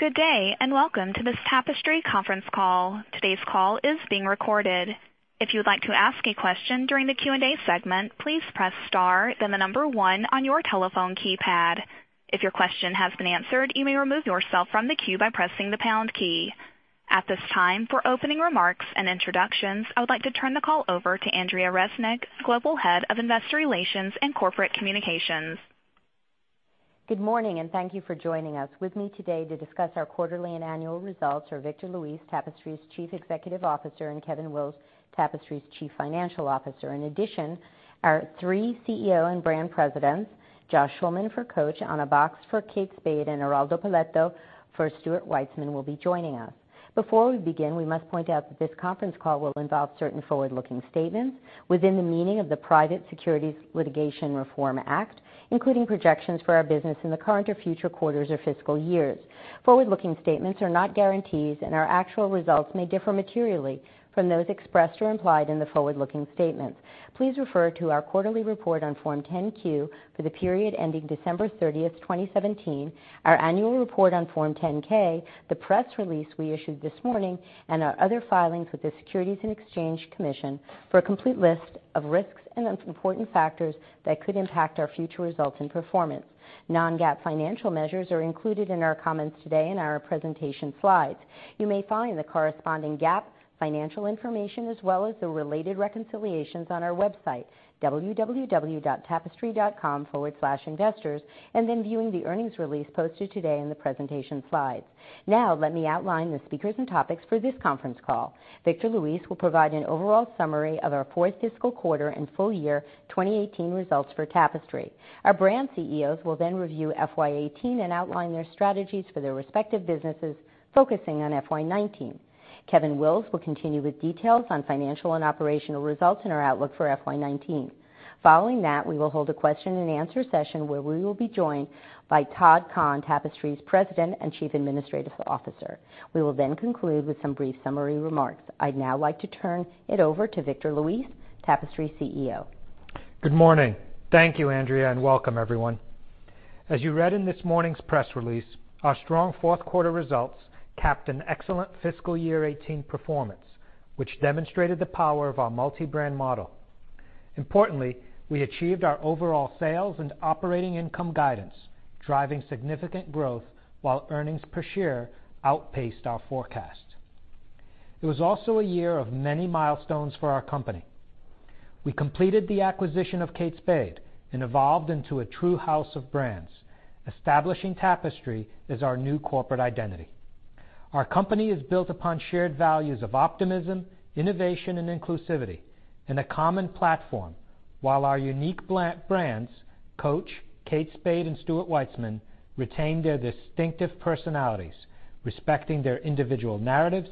Good day. Welcome to this Tapestry conference call. Today's call is being recorded. If you would like to ask a question during the Q&A segment, please press star then one on your telephone keypad. If your question has been answered, you may remove yourself from the queue by pressing the pound key. At this time, for opening remarks and introductions, I would like to turn the call over to Andrea Resnick, Global Head of Investor Relations and Corporate Communications. Good morning. Thank you for joining us. With me today to discuss our quarterly and annual results are Victor Luis, Tapestry's Chief Executive Officer, and Kevin Wills, Tapestry's Chief Financial Officer. In addition, our three CEO and Brand Presidents, Josh Schulman for Coach, Anna Bakst for Kate Spade, and Eraldo Poletto for Stuart Weitzman will be joining us. Before we begin, we must point out that this conference call will involve certain forward-looking statements within the meaning of the Private Securities Litigation Reform Act, including projections for our business in the current or future quarters or fiscal years. Forward-looking statements are not guarantees. Our actual results may differ materially from those expressed or implied in the forward-looking statements. Please refer to our quarterly report on Form 10-Q for the period ending December 30th, 2017, our annual report on Form 10-K, the press release we issued this morning, and our other filings with the Securities and Exchange Commission for a complete list of risks and important factors that could impact our future results and performance. Non-GAAP financial measures are included in our comments today and our presentation slides. You may find the corresponding GAAP financial information as well as the related reconciliations on our website, www.tapestry.com/investors, then viewing the earnings release posted today in the presentation slides. Let me outline the speakers and topics for this conference call. Victor Luis will provide an overall summary of our fourth fiscal quarter and full year 2018 results for Tapestry. Our brand CEOs will then review FY 2018 and outline their strategies for their respective businesses focusing on FY 2019. Kevin Wills will continue with details on financial and operational results and our outlook for FY 2019. Following that, we will hold a question-and-answer session where we will be joined by Todd Kahn, Tapestry's President and Chief Administrative Officer. We will then conclude with some brief summary remarks. I'd now like to turn it over to Victor Luis, Tapestry's CEO. Good morning. Thank you, Andrea, and welcome everyone. As you read in this morning's press release, our strong fourth quarter results capped an excellent fiscal year 2018 performance, which demonstrated the power of our multi-brand model. We achieved our overall sales and operating income guidance, driving significant growth while earnings per share outpaced our forecast. It was also a year of many milestones for our company. We completed the acquisition of Kate Spade and evolved into a true house of brands, establishing Tapestry as our new corporate identity. Our company is built upon shared values of optimism, innovation, and inclusivity in a common platform, while our unique brands, Coach, Kate Spade, and Stuart Weitzman, retain their distinctive personalities, respecting their individual narratives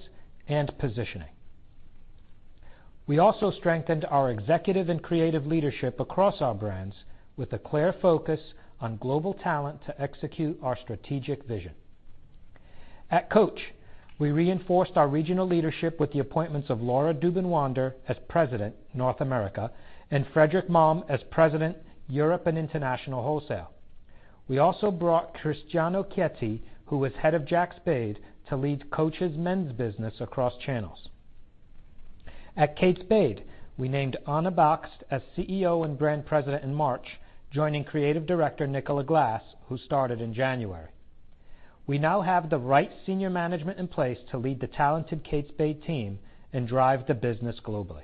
and positioning. We also strengthened our executive and creative leadership across our brands with a clear focus on global talent to execute our strategic vision. At Coach, we reinforced our regional leadership with the appointments of Laura Dubin-Wander as President, North America, and Fredrik Malm as President, Europe and International Wholesale. We also brought Cristiano Chieffi, who was head of Jack Spade, to lead Coach's men's business across channels. At Kate Spade, we named Anna Bakst as CEO and Brand President in March, joining Creative Director Nicola Glass, who started in January. We now have the right senior management in place to lead the talented Kate Spade team and drive the business globally.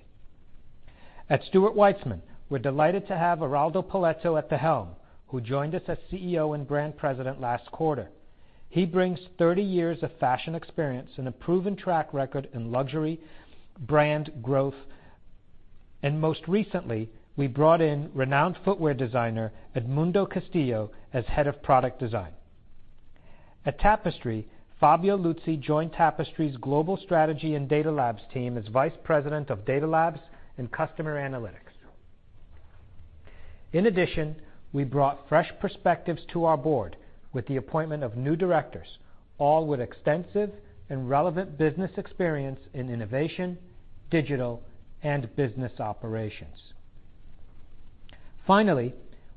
At Stuart Weitzman, we're delighted to have Araldo Puletto at the helm, who joined us as CEO and Brand President last quarter. He brings 30 years of fashion experience and a proven track record in luxury brand growth. Most recently, we brought in renowned footwear designer, Edmundo Castillo, as Head of Product Design. At Tapestry, Fabio Luzzi joined Tapestry's Global Strategy and Data Labs team as Vice President of Data Labs and Customer Analytics. We brought fresh perspectives to our board with the appointment of new directors, all with extensive and relevant business experience in innovation, digital, and business operations.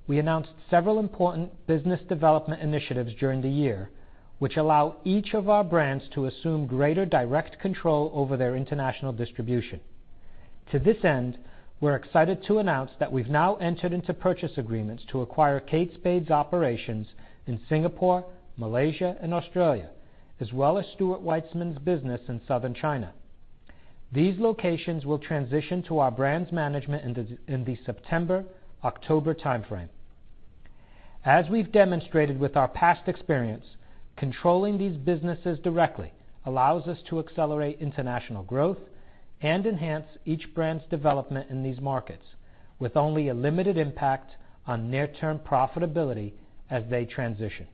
We announced several important business development initiatives during the year, which allow each of our brands to assume greater direct control over their international distribution. To this end, we're excited to announce that we've now entered into purchase agreements to acquire Kate Spade's operations in Singapore, Malaysia, and Australia, as well as Stuart Weitzman's business in Southern China. These locations will transition to our brands management in the September-October timeframe. As we've demonstrated with our past experience, controlling these businesses directly allows us to accelerate international growth and enhance each brand's development in these markets with only a limited impact on near-term profitability as they transition.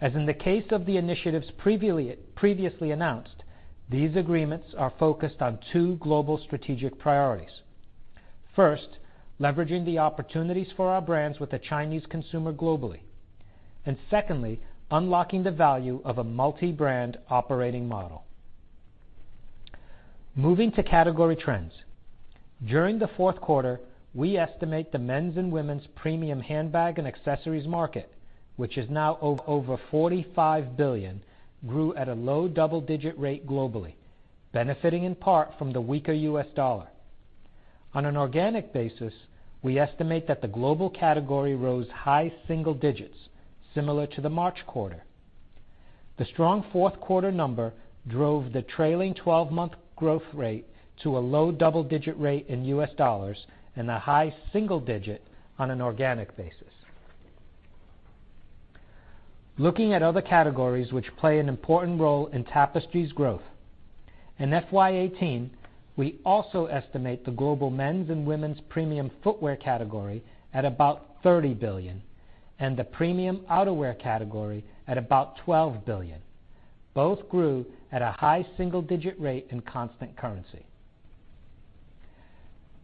As in the case of the initiatives previously announced, these agreements are focused on two global strategic priorities. First, leveraging the opportunities for our brands with the Chinese consumer globally. Secondly, unlocking the value of a multi-brand operating model. Moving to category trends. During the fourth quarter, we estimate the men's and women's premium handbag and accessories market, which is now over $45 billion, grew at a low double-digit rate globally, benefiting in part from the weaker U.S. dollar. On an organic basis, we estimate that the global category rose high single digits similar to the March quarter. The strong fourth quarter number drove the trailing 12-month growth rate to a low double-digit rate in US dollars and a high single-digit on an organic basis. Looking at other categories, which play an important role in Tapestry's growth. In FY 2018, we also estimate the global men's and women's premium footwear category at about $30 billion and the premium outerwear category at about $12 billion. Both grew at a high single-digit rate in constant currency.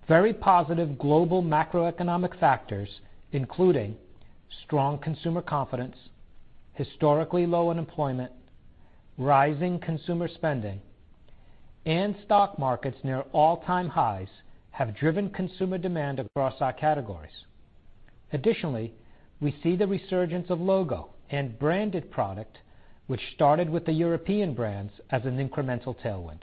Very positive global macroeconomic factors, including strong consumer confidence, historically low unemployment, rising consumer spending, and stock markets near all-time highs have driven consumer demand across our categories. Additionally, we see the resurgence of logo and branded product, which started with the European brands as an incremental tailwind.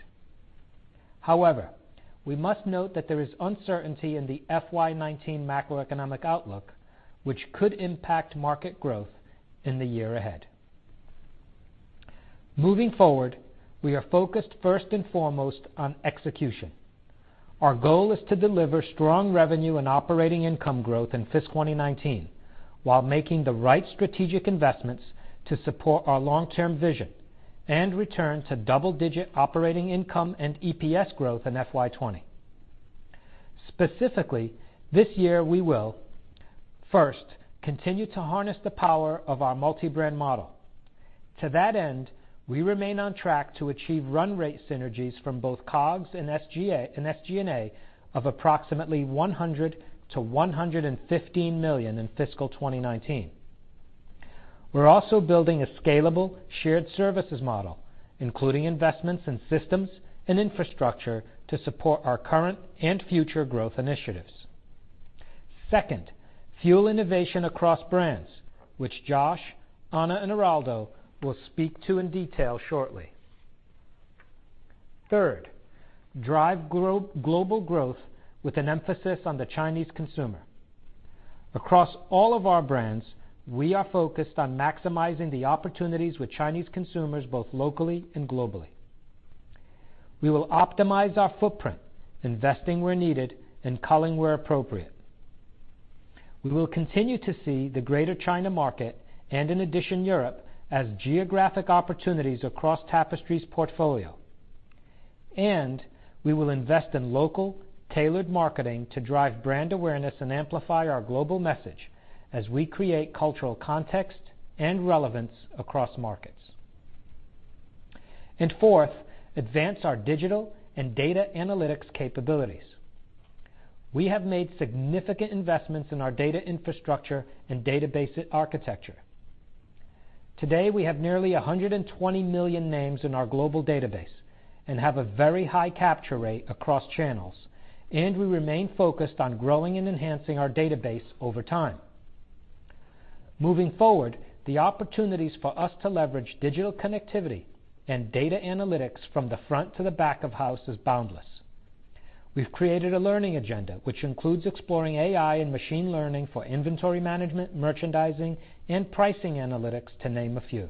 We must note that there is uncertainty in the FY 2019 macroeconomic outlook, which could impact market growth in the year ahead. Moving forward, we are focused first and foremost on execution. Our goal is to deliver strong revenue and operating income growth in fiscal 2019 while making the right strategic investments to support our long-term vision and return to double-digit operating income and EPS growth in FY 2020. Specifically, this year we will, first, continue to harness the power of our multi-brand model. To that end, we remain on track to achieve run rate synergies from both COGS and SG&A of approximately $100 million-$115 million in fiscal 2019. We're also building a scalable shared services model, including investments in systems and infrastructure to support our current and future growth initiatives. Second, fuel innovation across brands, which Josh, Anna, and Eraldo will speak to in detail shortly. Third, drive global growth with an emphasis on the Chinese consumer. Across all of our brands, we are focused on maximizing the opportunities with Chinese consumers, both locally and globally. We will optimize our footprint, investing where needed and culling where appropriate. We will continue to see the Greater China market and in addition, Europe, as geographic opportunities across Tapestry's portfolio, and we will invest in local tailored marketing to drive brand awareness and amplify our global message as we create cultural context and relevance across markets. Fourth, advance our digital and data analytics capabilities. We have made significant investments in our data infrastructure and database architecture. Today, we have nearly 120 million names in our global database and have a very high capture rate across channels, we remain focused on growing and enhancing our database over time. Moving forward, the opportunities for us to leverage digital connectivity and data analytics from the front to the back of house is boundless. We've created a learning agenda, which includes exploring AI and machine learning for inventory management, merchandising, and pricing analytics to name a few.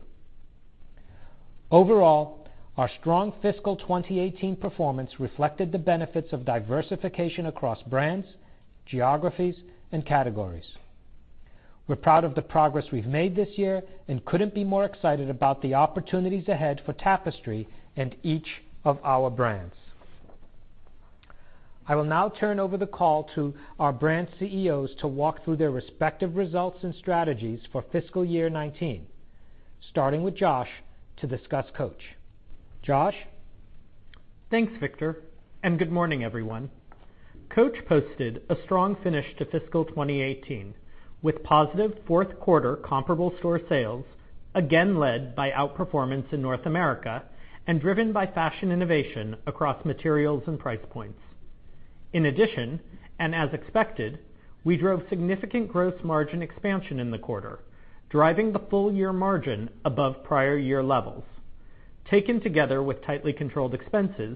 Overall, our strong fiscal 2018 performance reflected the benefits of diversification across brands, geographies, and categories. We're proud of the progress we've made this year and couldn't be more excited about the opportunities ahead for Tapestry and each of our brands. I will now turn over the call to our brand CEOs to walk through their respective results and strategies for fiscal year 2019, starting with Josh to discuss Coach. Josh? Thanks, Victor, and good morning, everyone. Coach posted a strong finish to fiscal 2018 with positive fourth quarter comparable store sales, again led by outperformance in North America and driven by fashion innovation across materials and price points. In addition, as expected, we drove significant gross margin expansion in the quarter, driving the full-year margin above prior year levels. Taken together with tightly controlled expenses,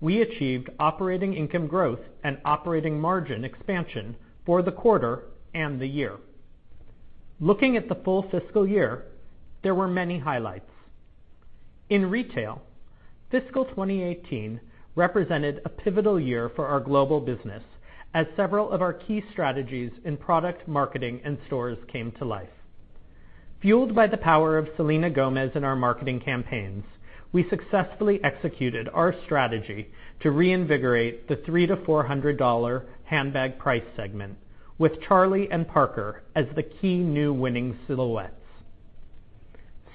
we achieved operating income growth and operating margin expansion for the quarter and the year. Looking at the full fiscal year, there were many highlights. In retail, fiscal 2018 represented a pivotal year for our global business as several of our key strategies in product marketing and stores came to life. Fueled by the power of Selena Gomez in our marketing campaigns, we successfully executed our strategy to reinvigorate the $300-$400 handbag price segment with Charlie and Parker as the key new winning silhouettes.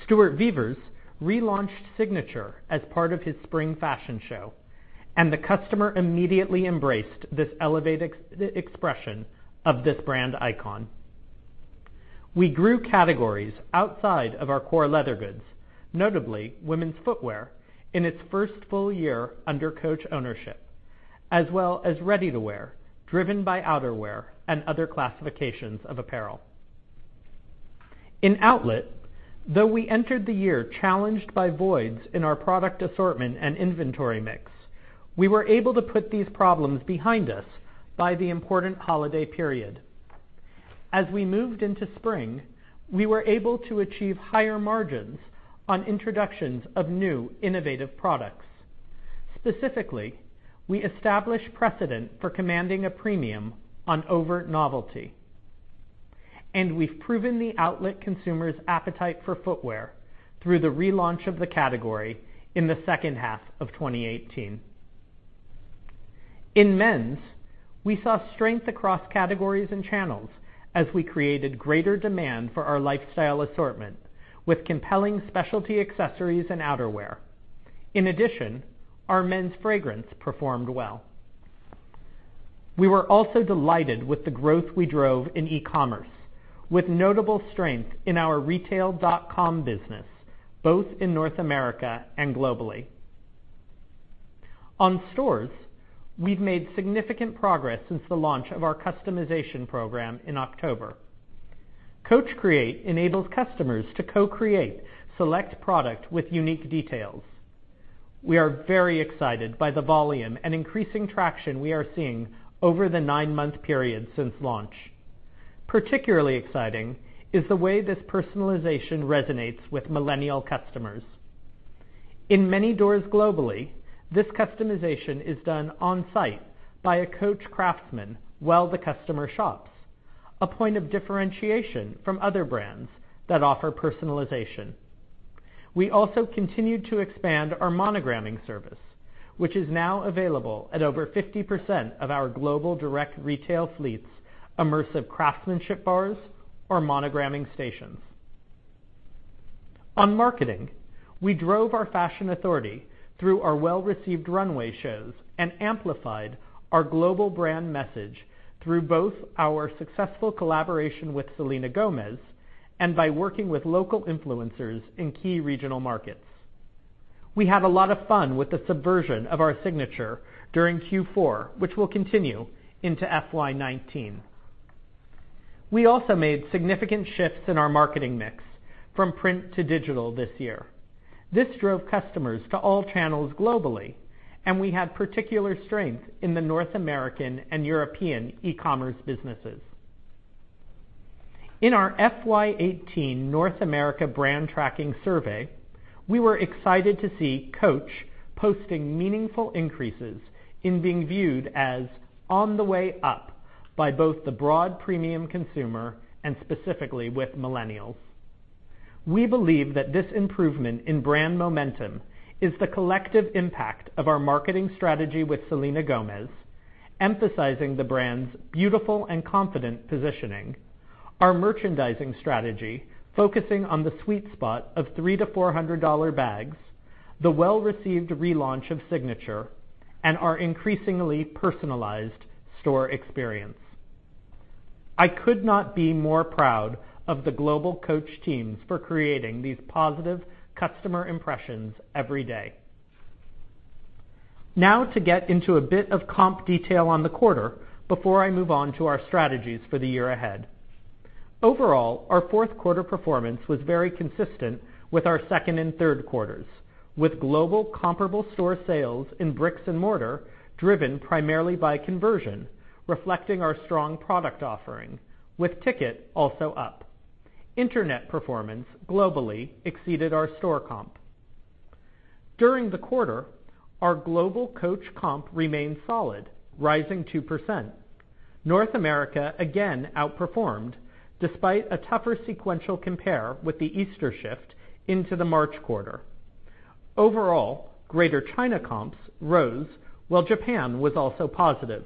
Stuart Vevers relaunched Signature as part of his spring fashion show, and the customer immediately embraced this elevated expression of this brand icon. We grew categories outside of our core leather goods, notably women's footwear, in its first full year under Coach ownership, as well as ready-to-wear, driven by outerwear and other classifications of apparel. In outlet, though we entered the year challenged by voids in our product assortment and inventory mix, we were able to put these problems behind us by the important holiday period. As we moved into spring, we were able to achieve higher margins on introductions of new, innovative products. Specifically, we established precedent for commanding a premium on overt novelty. We've proven the outlet consumer's appetite for footwear through the relaunch of the category in the second half of 2018. In men's, we saw strength across categories and channels as we created greater demand for our lifestyle assortment with compelling specialty accessories and outerwear. In addition, our men's fragrance performed well. We were also delighted with the growth we drove in e-commerce, with notable strength in our retail.com business, both in North America and globally. On stores, we've made significant progress since the launch of our customization program in October. Coach Create enables customers to co-create select product with unique details. We are very excited by the volume and increasing traction we are seeing over the nine-month period since launch. Particularly exciting is the way this personalization resonates with millennial customers. In many doors globally, this customization is done on-site by a Coach craftsman while the customer shops, a point of differentiation from other brands that offer personalization. We also continued to expand our monogramming service, which is now available at over 50% of our global direct retail fleet's immersive craftsmanship bars or monogramming stations. On marketing, we drove our fashion authority through our well-received runway shows and amplified our global brand message through both our successful collaboration with Selena Gomez and by working with local influencers in key regional markets. We had a lot of fun with the subversion of our Signature during Q4, which will continue into FY 2019. We also made significant shifts in our marketing mix from print to digital this year. This drove customers to all channels globally, and we had particular strength in the North American and European e-commerce businesses. In our FY 2018 North America brand tracking survey, we were excited to see Coach posting meaningful increases in being viewed as on the way up by both the broad premium consumer and specifically with millennials. We believe that this improvement in brand momentum is the collective impact of our marketing strategy with Selena Gomez, emphasizing the brand's beautiful and confident positioning, our merchandising strategy focusing on the sweet spot of $300-$400 bags, the well-received relaunch of Signature, and our increasingly personalized store experience. I could not be more proud of the global Coach teams for creating these positive customer impressions every day. Now to get into a bit of comp detail on the quarter before I move on to our strategies for the year ahead. Overall, our fourth quarter performance was very consistent with our second and third quarters, with global comparable store sales in bricks and mortar driven primarily by conversion, reflecting our strong product offering, with ticket also up. Internet performance globally exceeded our store comp. During the quarter, our global Coach comp remained solid, rising 2%. North America again outperformed, despite a tougher sequential compare with the Easter shift into the March quarter. Overall, Greater China comps rose, while Japan was also positive.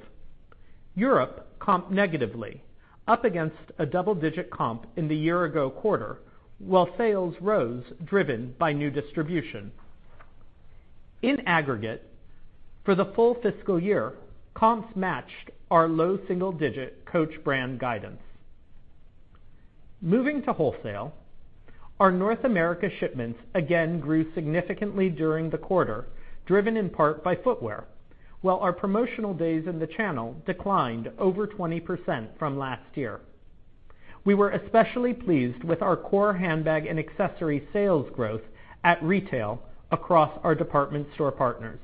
Europe comped negatively, up against a double-digit comp in the year-ago quarter, while sales rose, driven by new distribution. In aggregate, for the full fiscal year, comps matched our low double-digit Coach brand guidance. Moving to wholesale, our North America shipments again grew significantly during the quarter, driven in part by footwear, while our promotional days in the channel declined over 20% from last year. We were especially pleased with our core handbag and accessories sales growth at retail across our department store partners.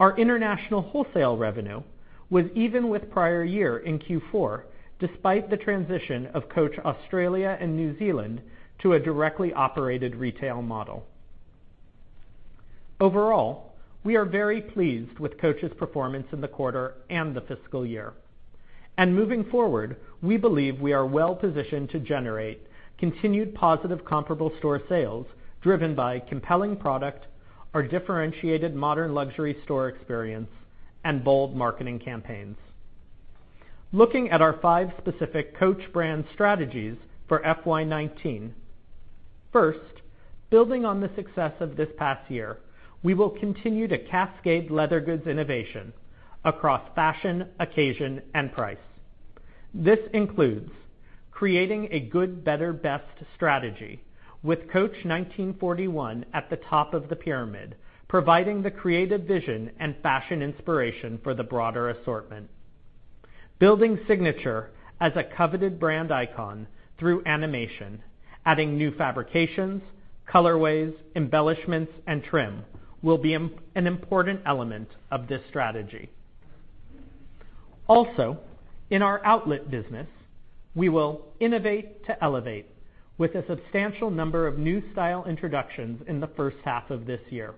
Our international wholesale revenue was even with prior year in Q4, despite the transition of Coach Australia and New Zealand to a directly operated retail model. Overall, we are very pleased with Coach's performance in the quarter and the fiscal year. Looking forward, we believe we are well-positioned to generate continued positive comparable store sales driven by compelling product, our differentiated modern luxury store experience, and bold marketing campaigns. Looking at our five specific Coach brand strategies for FY 2019. First, building on the success of this past year, we will continue to cascade leather goods innovation across fashion, occasion, and price. This includes creating a good better best strategy with Coach 1941 at the top of the pyramid, providing the creative vision and fashion inspiration for the broader assortment. Building Signature as a coveted brand icon through animation, adding new fabrications, colorways, embellishments, and trim will be an important element of this strategy. Also, in our outlet business, we will innovate to elevate with a substantial number of new style introductions in the first half of this year.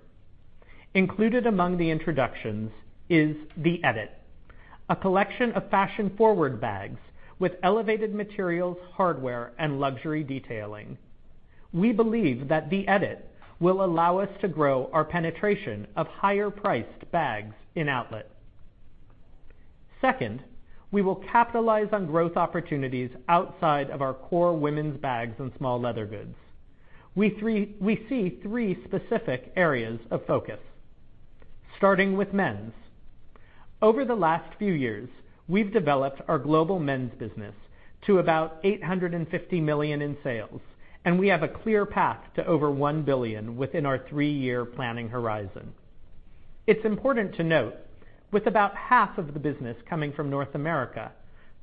Included among the introductions is The Edit, a collection of fashion-forward bags with elevated materials, hardware, and luxury detailing. We believe that The Edit will allow us to grow our penetration of higher priced bags in outlet. Second, we will capitalize on growth opportunities outside of our core women's bags and small leather goods. We see three specific areas of focus, starting with men's. Over the last few years, we've developed our global men's business to about $850 million in sales, and we have a clear path to over $1 billion within our three-year planning horizon. It's important to note, with about half of the business coming from North America,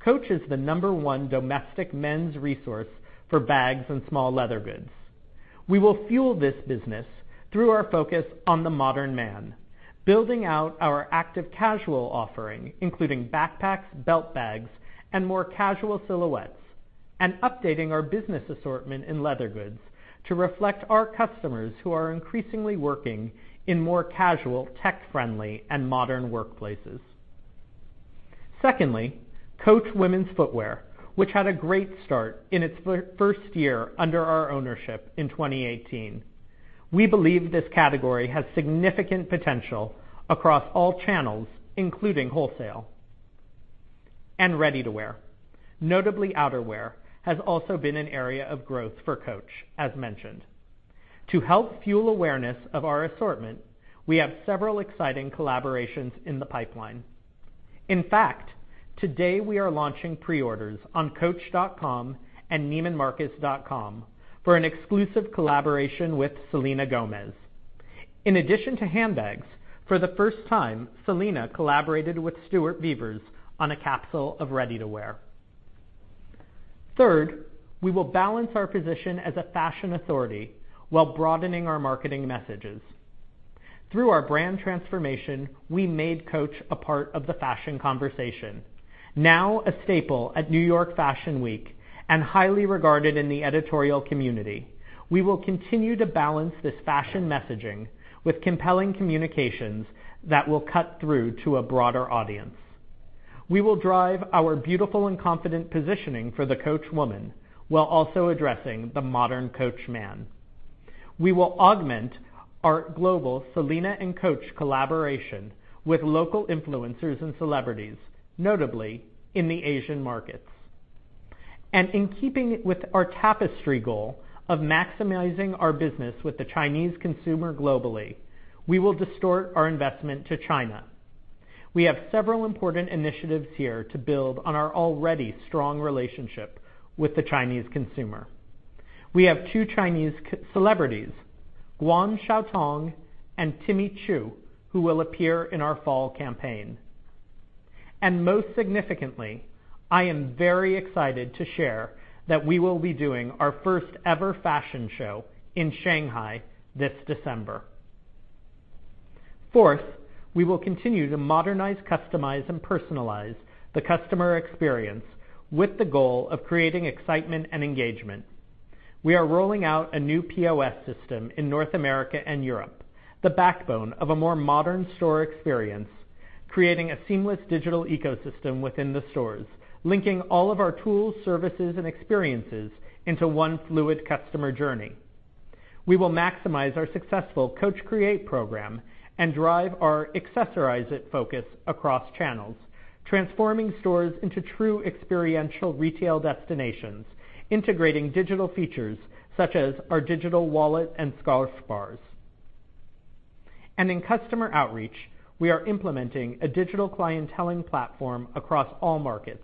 Coach is the number one domestic men's resource for bags and small leather goods. We will fuel this business through our focus on the modern man, building out our active casual offering, including backpacks, belt bags, and more casual silhouettes, and updating our business assortment in leather goods to reflect our customers who are increasingly working in more casual, tech-friendly, and modern workplaces. Secondly, Coach women's footwear, which had a great start in its first year under our ownership in 2018. We believe this category has significant potential across all channels, including wholesale and ready-to-wear. Notably, outerwear has also been an area of growth for Coach, as mentioned. To help fuel awareness of our assortment, we have several exciting collaborations in the pipeline. In fact, today we are launching pre-orders on coach.com and neimanmarcus.com for an exclusive collaboration with Selena Gomez. In addition to handbags, for the first time, Selena collaborated with Stuart Vevers on a capsule of ready-to-wear. Third, we will balance our position as a fashion authority while broadening our marketing messages. Through our brand transformation, we made Coach a part of the fashion conversation, now a staple at New York Fashion Week and highly regarded in the editorial community. We will continue to balance this fashion messaging with compelling communications that will cut through to a broader audience. We will drive our beautiful and confident positioning for the Coach woman, while also addressing the modern Coach man. We will augment our global Selena and Coach collaboration with local influencers and celebrities, notably in the Asian markets. In keeping with our Tapestry goal of maximizing our business with the Chinese consumer globally, we will distort our investment to China. We have several important initiatives here to build on our already strong relationship with the Chinese consumer. We have two Chinese celebrities, Guan Xiaotong and Timmy Xu, who will appear in our fall campaign. Most significantly, I am very excited to share that we will be doing our first ever fashion show in Shanghai this December. Fourth, we will continue to modernize, customize, and personalize the customer experience with the goal of creating excitement and engagement. We are rolling out a new POS system in North America and Europe, the backbone of a more modern store experience, creating a seamless digital ecosystem within the stores, linking all of our tools, services, and experiences into one fluid customer journey. We will maximize our successful Coach Create program and drive our accessorize IT focus across channels, transforming stores into true experiential retail destinations, integrating digital features such as our digital wallet and Store Pass. In customer outreach, we are implementing a digital clienteling platform across all markets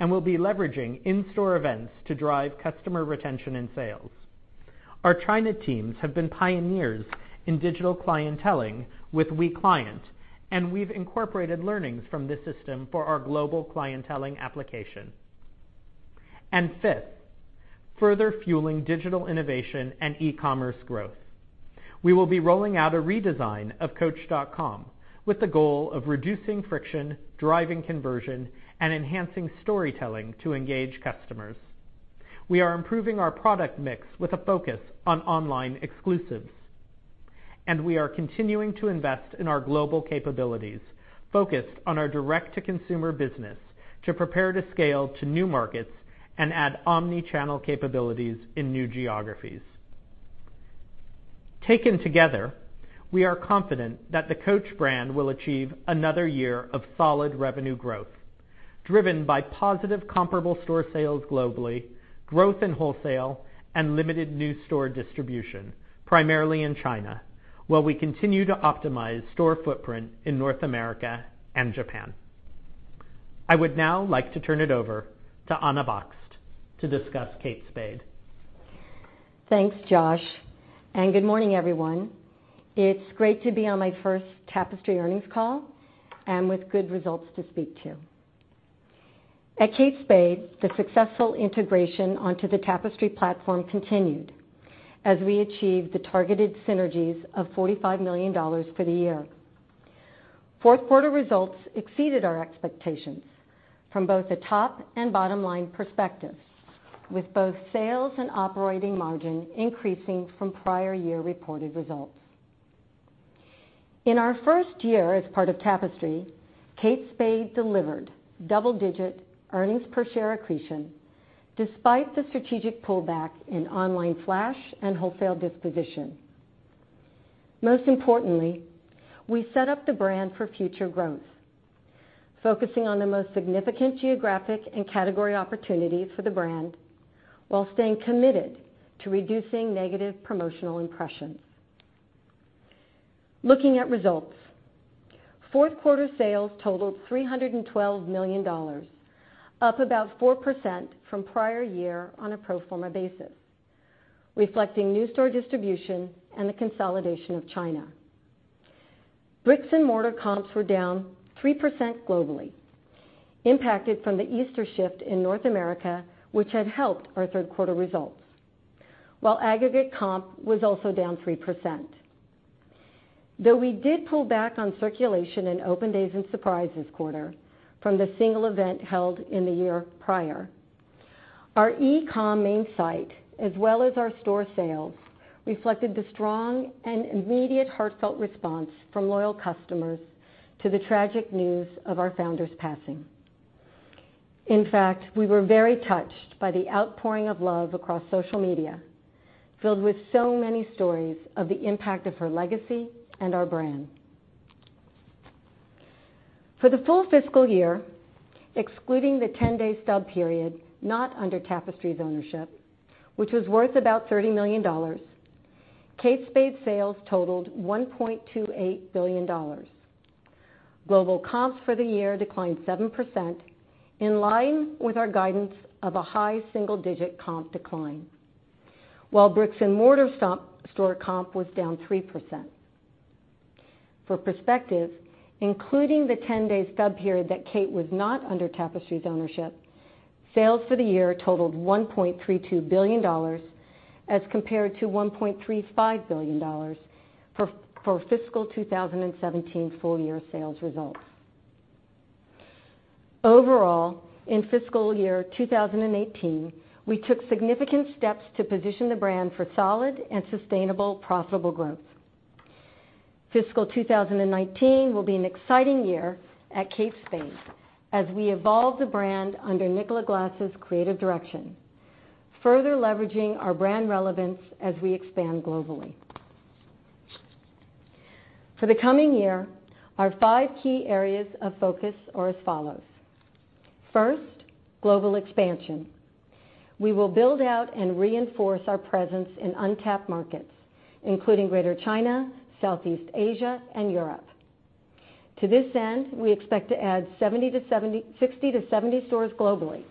and will be leveraging in-store events to drive customer retention and sales. Our China teams have been pioneers in digital clienteling with WeClient, and we've incorporated learnings from this system for our global clienteling application. Fifth, further fueling digital innovation and e-commerce growth. We will be rolling out a redesign of coach.com with the goal of reducing friction, driving conversion, and enhancing storytelling to engage customers. We are improving our product mix with a focus on online exclusives. We are continuing to invest in our global capabilities, focused on our direct-to-consumer business, to prepare to scale to new markets and add omnichannel capabilities in new geographies. Taken together, we are confident that the Coach brand will achieve another year of solid revenue growth driven by positive comparable store sales globally, growth in wholesale, and limited new store distribution, primarily in China, while we continue to optimize store footprint in North America and Japan. I would now like to turn it over to Anna Bakst to discuss Kate Spade. Thanks, Josh. Good morning, everyone. It's great to be on my first Tapestry earnings call and with good results to speak to. At Kate Spade, the successful integration onto the Tapestry platform continued as we achieved the targeted synergies of $45 million for the year. Fourth quarter results exceeded our expectations from both a top and bottom-line perspective, with both sales and operating margin increasing from prior year reported results. In our first year as part of Tapestry, Kate Spade delivered double-digit earnings per share accretion despite the strategic pullback in online flash and wholesale disposition. Most importantly, we set up the brand for future growth, focusing on the most significant geographic and category opportunities for the brand while staying committed to reducing negative promotional impressions. Looking at results. Fourth quarter sales totaled $312 million, up about 4% from prior year on a pro forma basis, reflecting new store distribution and the consolidation of China. Bricks and mortar comps were down 3% globally, impacted from the Easter shift in North America, which had helped our third quarter results. Aggregate comp was also down 3%. We did pull back on circulation and open days and surprise this quarter from the single event held in the year prior, our e-com main site as well as our store sales reflected the strong and immediate heartfelt response from loyal customers to the tragic news of our founder's passing. In fact, we were very touched by the outpouring of love across social media, filled with so many stories of the impact of her legacy and our brand. For the full fiscal year, excluding the 10-day stub period not under Tapestry's ownership, which was worth about $30 million, Kate Spade sales totaled $1.28 billion. Global comps for the year declined 7%, in line with our guidance of a high single-digit comp decline. Bricks and mortar store comp was down 3%. For perspective, including the 10-day stub period that Kate was not under Tapestry's ownership, sales for the year totaled $1.32 billion as compared to $1.35 billion for fiscal 2017 full-year sales results. In fiscal year 2018, we took significant steps to position the brand for solid and sustainable profitable growth. Fiscal 2019 will be an exciting year at Kate Spade as we evolve the brand under Nicola Glass' creative direction, further leveraging our brand relevance as we expand globally. For the coming year, our five key areas of focus are as follows. First, global expansion. We will build out and reinforce our presence in untapped markets, including Greater China, Southeast Asia, and Europe. To this end, we expect to add 60 to 70 stores globally,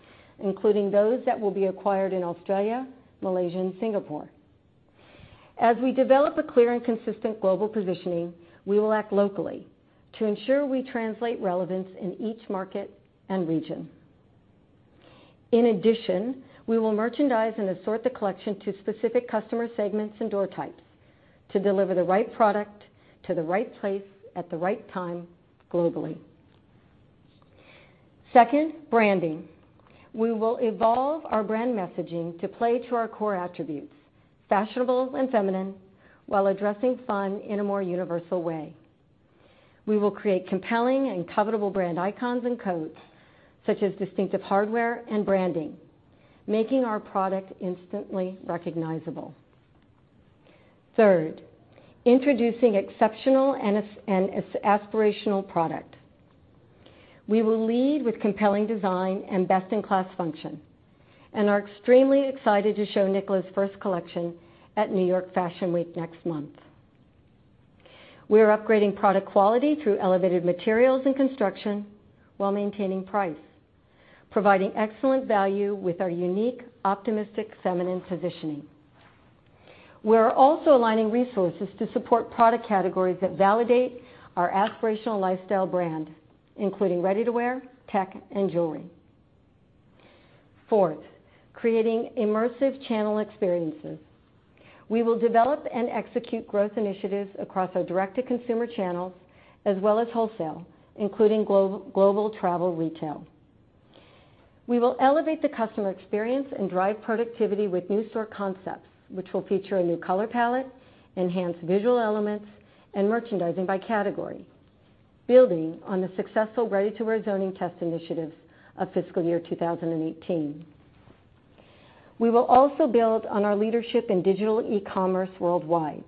including those that will be acquired in Australia, Malaysia, and Singapore. As we develop a clear and consistent global positioning, we will act locally to ensure we translate relevance in each market and region. In addition, we will merchandise and assort the collection to specific customer segments and door types to deliver the right product to the right place at the right time globally. Second, branding. We will evolve our brand messaging to play to our core attributes, fashionable and feminine, while addressing fun in a more universal way. We will create compelling and covetable brand icons and codes, such as distinctive hardware and branding, making our product instantly recognizable. Third, introducing exceptional and aspirational product. We will lead with compelling design and best-in-class function and are extremely excited to show Nicola's first collection at New York Fashion Week next month. We are upgrading product quality through elevated materials and construction while maintaining price, providing excellent value with our unique, optimistic, feminine positioning. We are also aligning resources to support product categories that validate our aspirational lifestyle brand, including ready-to-wear, tech, and jewelry. Fourth, creating immersive channel experiences. We will develop and execute growth initiatives across our direct-to-consumer channels as well as wholesale, including global travel retail. We will elevate the customer experience and drive productivity with new store concepts, which will feature a new color palette, enhanced visual elements, and merchandising by category, building on the successful ready-to-wear zoning test initiatives of fiscal year 2018. We will also build on our leadership in digital e-commerce worldwide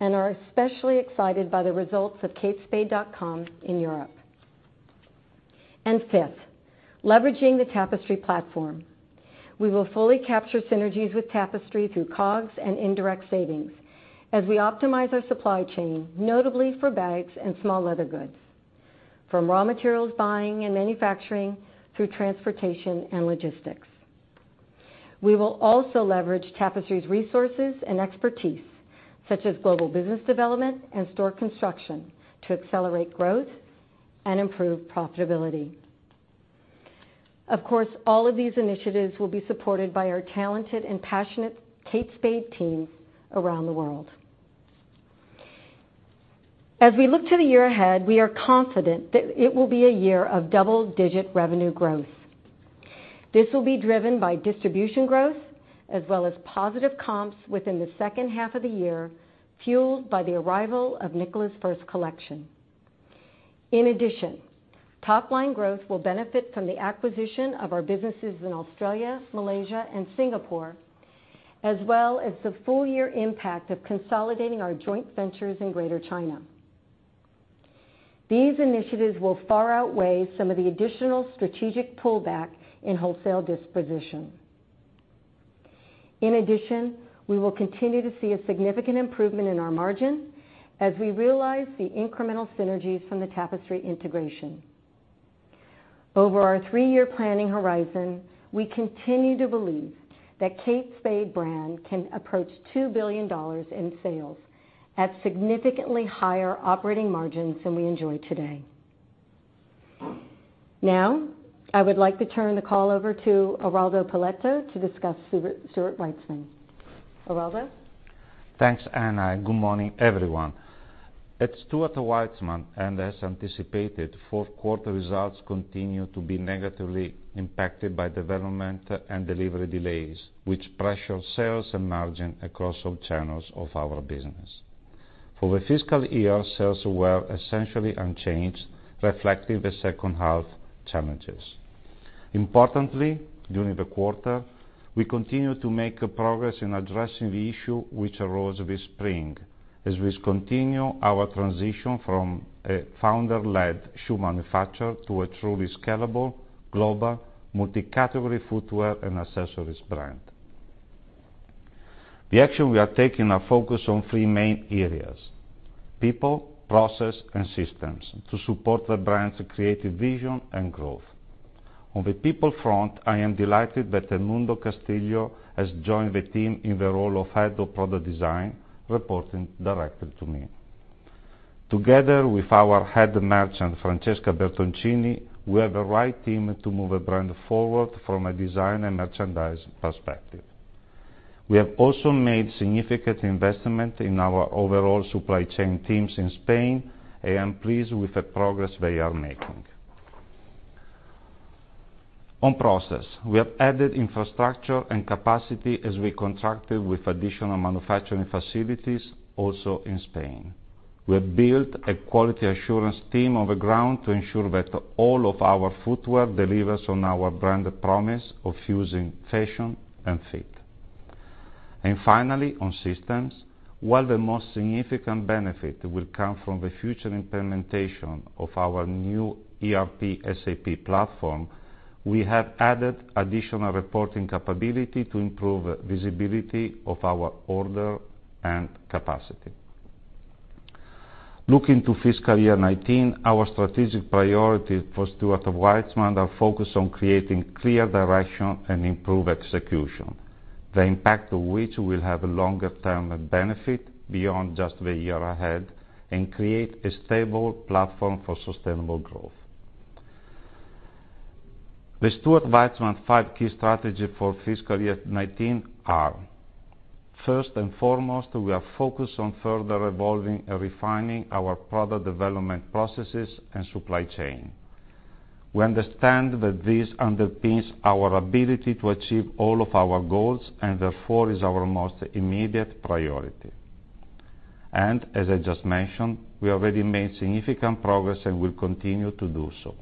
and are especially excited by the results of katespade.com in Europe. Fifth, leveraging the Tapestry platform. We will fully capture synergies with Tapestry through COGS and indirect savings as we optimize our supply chain, notably for bags and small leather goods, from raw materials buying and manufacturing through transportation and logistics. We will also leverage Tapestry's resources and expertise, such as global business development and store construction, to accelerate growth and improve profitability. Of course, all of these initiatives will be supported by our talented and passionate Kate Spade teams around the world. As we look to the year ahead, we are confident that it will be a year of double-digit revenue growth. This will be driven by distribution growth as well as positive comps within the second half of the year, fueled by the arrival of Nicola's first collection. In addition, top-line growth will benefit from the acquisition of our businesses in Australia, Malaysia, and Singapore, as well as the full-year impact of consolidating our joint ventures in Greater China. These initiatives will far outweigh some of the additional strategic pullback in wholesale disposition. In addition, we will continue to see a significant improvement in our margin as we realize the incremental synergies from the Tapestry integration. Over our three-year planning horizon, we continue to believe that Kate Spade brand can approach $2 billion in sales at significantly higher operating margins than we enjoy today. Now, I would like to turn the call over to Eraldo Poletto to discuss Stuart Weitzman. Eraldo? Thanks, Anna. Good morning, everyone. At Stuart Weitzman, as anticipated, fourth quarter results continue to be negatively impacted by development and delivery delays, which pressure sales and margin across all channels of our business. For the fiscal year, sales were essentially unchanged, reflecting the second-half challenges. Importantly, during the quarter, we continued to make progress in addressing the issue which arose this spring as we continue our transition from a founder-led shoe manufacturer to a truly scalable, global, multi-category footwear and accessories brand. The actions we are taking are focused on three main areas, people, process, and systems, to support the brand's creative vision and growth. On the people front, I am delighted that Edmundo Castillo has joined the team in the role of Head of Product Design, reporting directly to me. Together with our Head Merchant, Francesca Bertoncini, we have the right team to move the brand forward from a design and merchandise perspective. We have also made significant investments in our overall supply chain teams in Spain. I am pleased with the progress they are making. On process, we have added infrastructure and capacity as we contracted with additional manufacturing facilities, also in Spain. We have built a quality assurance team on the ground to ensure that all of our footwear delivers on our brand promise of fusing fashion and fit. Finally, on systems, while the most significant benefit will come from the future implementation of our new ERP SAP platform, we have added additional reporting capability to improve visibility of our order and capacity. Looking to fiscal year 2019, our strategic priorities for Stuart Weitzman are focused on creating clear direction and improved execution, the impact of which will have a longer-term benefit beyond just the year ahead and create a stable platform for sustainable growth. The Stuart Weitzman five-key strategies for fiscal year 2019 are, first and foremost, we are focused on further evolving and refining our product development processes and supply chain. We understand that this underpins our ability to achieve all of our goals, and therefore is our most immediate priority. As I just mentioned, we already made significant progress and will continue to do so.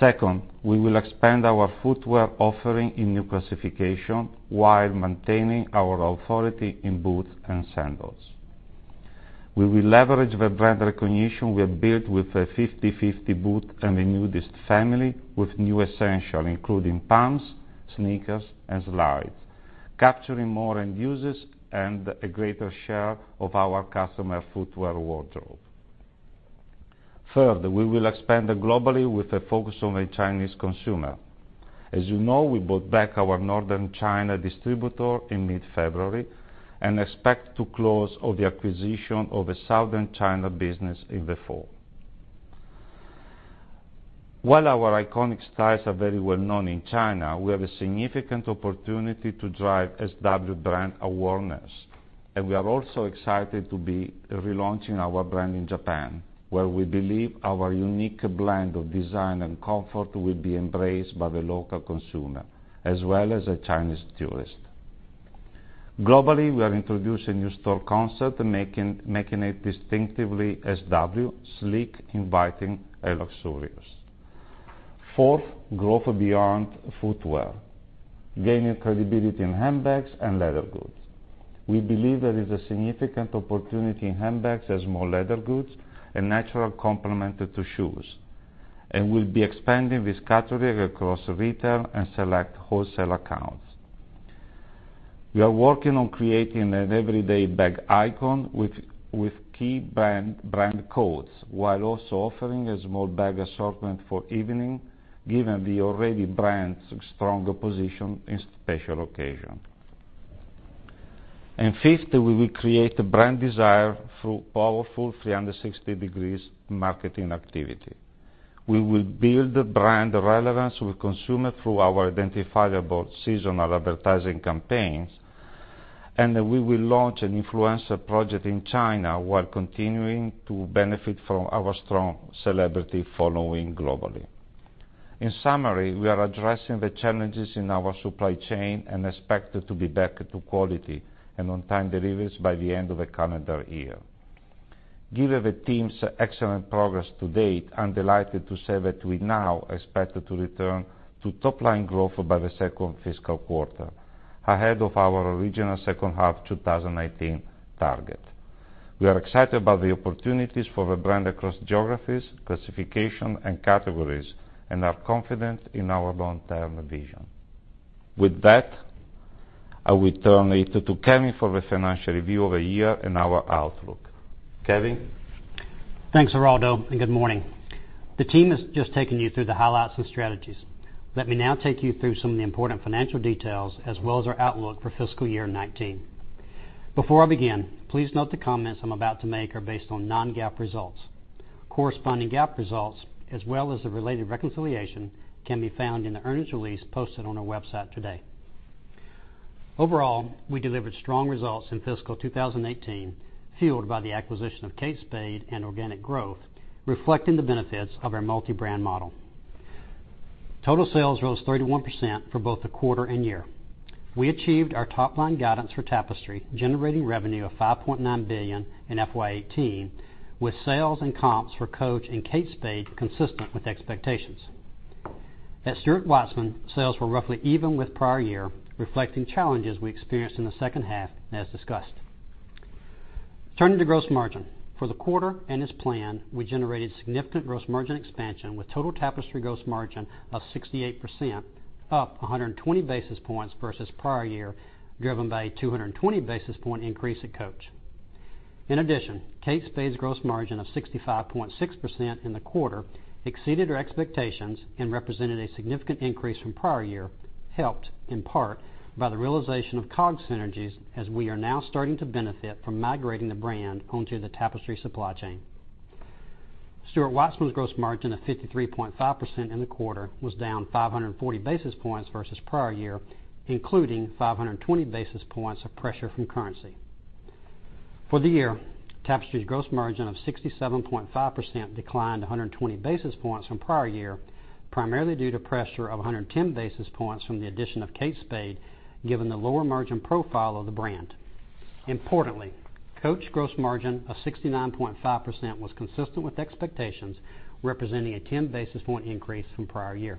Second, we will expand our footwear offering in new classifications while maintaining our authority in boots and sandals. We will leverage the brand recognition we have built with the 50/50 boot and the Nudist family with new essentials, including pumps, sneakers, and slides, capturing more end users and a greater share of our customer footwear wardrobe. Third, we will expand globally with a focus on the Chinese consumer. As you know, we bought back our Northern China distributor in mid-February and expect to close on the acquisition of the Southern China business in the fall. While our iconic styles are very well-known in China, we have a significant opportunity to drive SW brand awareness, and we are also excited to be relaunching our brand in Japan, where we believe our unique blend of design and comfort will be embraced by the local consumer, as well as the Chinese tourist. Globally, we are introducing a new store concept, making it distinctively SW, sleek, inviting, and luxurious. Fourth, growth beyond footwear. Gaining credibility in handbags and leather goods. We believe there is a significant opportunity in handbags as more leather goods, a natural complement to shoes. We'll be expanding this category across retail and select wholesale accounts. We are working on creating an everyday bag icon with key brand codes, while also offering a small bag assortment for evening, given the brand's already strong position in special occasion. Fifth, we will create brand desire through powerful 360 degrees marketing activity. We will build brand relevance with consumer through our identifiable seasonal advertising campaigns, and we will launch an influencer project in China while continuing to benefit from our strong celebrity following globally. In summary, we are addressing the challenges in our supply chain and expect to be back to quality and on-time deliveries by the end of the calendar year. Given the team's excellent progress to date, I'm delighted to say that we now expect to return to top line growth by the second fiscal quarter, ahead of our original second half 2019 target. We are excited about the opportunities for the brand across geographies, classification, and categories, and are confident in our long-term vision. With that, I will turn it to Kevin for the financial review of the year and our outlook. Kevin? Thanks, Eraldo, and good morning. The team has just taken you through the highlights and strategies. Let me now take you through some of the important financial details as well as our outlook for fiscal year 2019. Before I begin, please note the comments I'm about to make are based on non-GAAP results. Corresponding GAAP results, as well as the related reconciliation, can be found in the earnings release posted on our website today. Overall, we delivered strong results in fiscal 2018, fueled by the acquisition of Kate Spade and organic growth, reflecting the benefits of our multi-brand model. Total sales rose 31% for both the quarter and year. We achieved our top line guidance for Tapestry, generating revenue of $5.9 billion in FY 2018, with sales and comps for Coach and Kate Spade consistent with expectations. At Stuart Weitzman, sales were roughly even with prior year, reflecting challenges we experienced in the second half, as discussed. Turning to gross margin. For the quarter and as planned, we generated significant gross margin expansion with total Tapestry gross margin of 68%, up 120 basis points versus prior year, driven by a 220 basis point increase at Coach. In addition, Kate Spade's gross margin of 65.6% in the quarter exceeded our expectations and represented a significant increase from prior year, helped in part by the realization of COGS synergies, as we are now starting to benefit from migrating the brand onto the Tapestry supply chain. Stuart Weitzman's gross margin of 53.5% in the quarter was down 540 basis points versus prior year, including 520 basis points of pressure from currency. For the year, Tapestry's gross margin of 67.5% declined 120 basis points from prior year, primarily due to pressure of 110 basis points from the addition of Kate Spade, given the lower margin profile of the brand. Importantly, Coach gross margin of 69.5% was consistent with expectations, representing a 10 basis point increase from prior year.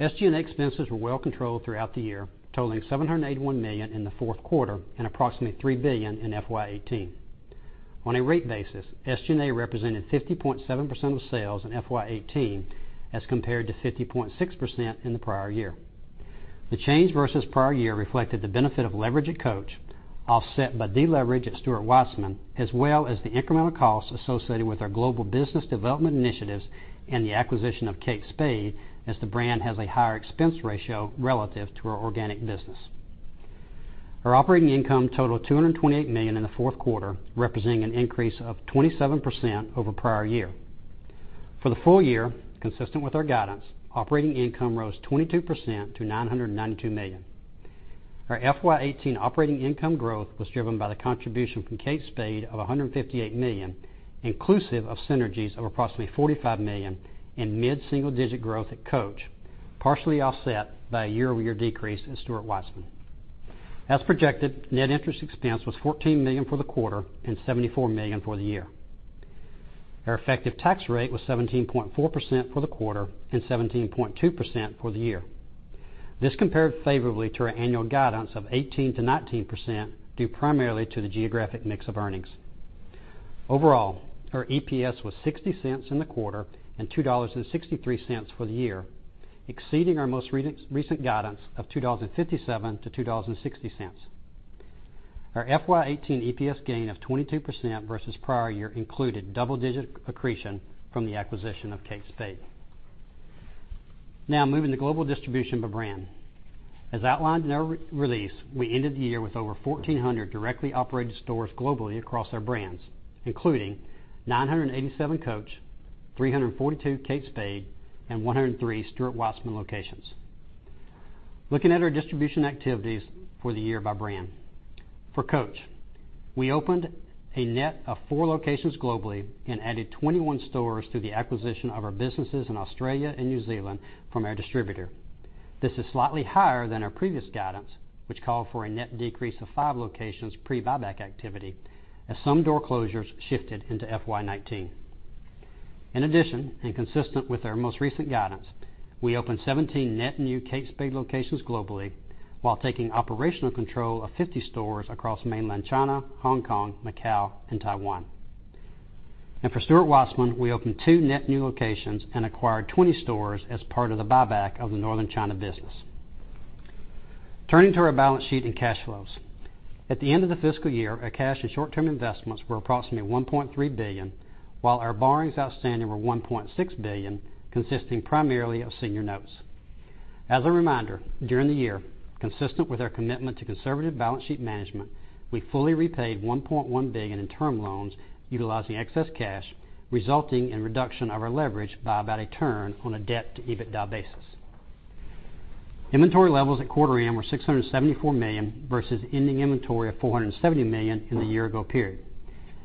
SG&A expenses were well controlled throughout the year, totaling $781 million in the fourth quarter and approximately $3 billion in FY 2018. On a rate basis, SG&A represented 50.7% of sales in FY 2018 as compared to 50.6% in the prior year. The change versus prior year reflected the benefit of leverage at Coach, offset by deleverage at Stuart Weitzman, as well as the incremental costs associated with our global business development initiatives and the acquisition of Kate Spade, as the brand has a higher expense ratio relative to our organic business. Our operating income totaled $228 million in the fourth quarter, representing an increase of 27% over prior year. For the full year, consistent with our guidance, operating income rose 22% to $992 million. Our FY 2018 operating income growth was driven by the contribution from Kate Spade of $158 million, inclusive of synergies of approximately $45 million in mid-single-digit growth at Coach, partially offset by a year-over-year decrease at Stuart Weitzman. As projected, net interest expense was $14 million for the quarter and $74 million for the year. Our effective tax rate was 17.4% for the quarter and 17.2% for the year. This compared favorably to our annual guidance of 18%-19%, due primarily to the geographic mix of earnings. Overall, our EPS was $0.60 in the quarter and $2.63 for the year, exceeding our most recent guidance of $2.57-$2.60. Our FY 2018 EPS gain of 22% versus prior year included double-digit accretion from the acquisition of Kate Spade. Moving to global distribution by brand. As outlined in our release, we ended the year with over 1,400 directly operated stores globally across our brands, including 987 Coach, 342 Kate Spade, and 103 Stuart Weitzman locations. Looking at our distribution activities for the year by brand. For Coach, we opened a net of four locations globally and added 21 stores through the acquisition of our businesses in Australia and New Zealand from our distributor. This is slightly higher than our previous guidance, which called for a net decrease of five locations pre-buyback activity, as some door closures shifted into FY 2019. In addition, consistent with our most recent guidance, we opened 17 net new Kate Spade locations globally, while taking operational control of 50 stores across mainland China, Hong Kong, Macau, and Taiwan. For Stuart Weitzman, we opened two net new locations and acquired 20 stores as part of the buyback of the Northern China business. Turning to our balance sheet and cash flows. At the end of the fiscal year, our cash and short-term investments were approximately $1.3 billion, while our borrowings outstanding were $1.6 billion, consisting primarily of senior notes. As a reminder, during the year, consistent with our commitment to conservative balance sheet management, we fully repaid $1.1 billion in term loans utilizing excess cash, resulting in reduction of our leverage by about a turn on a debt-to-EBITDA basis. Inventory levels at quarter end were $674 million, versus ending inventory of $470 million in the year-ago period.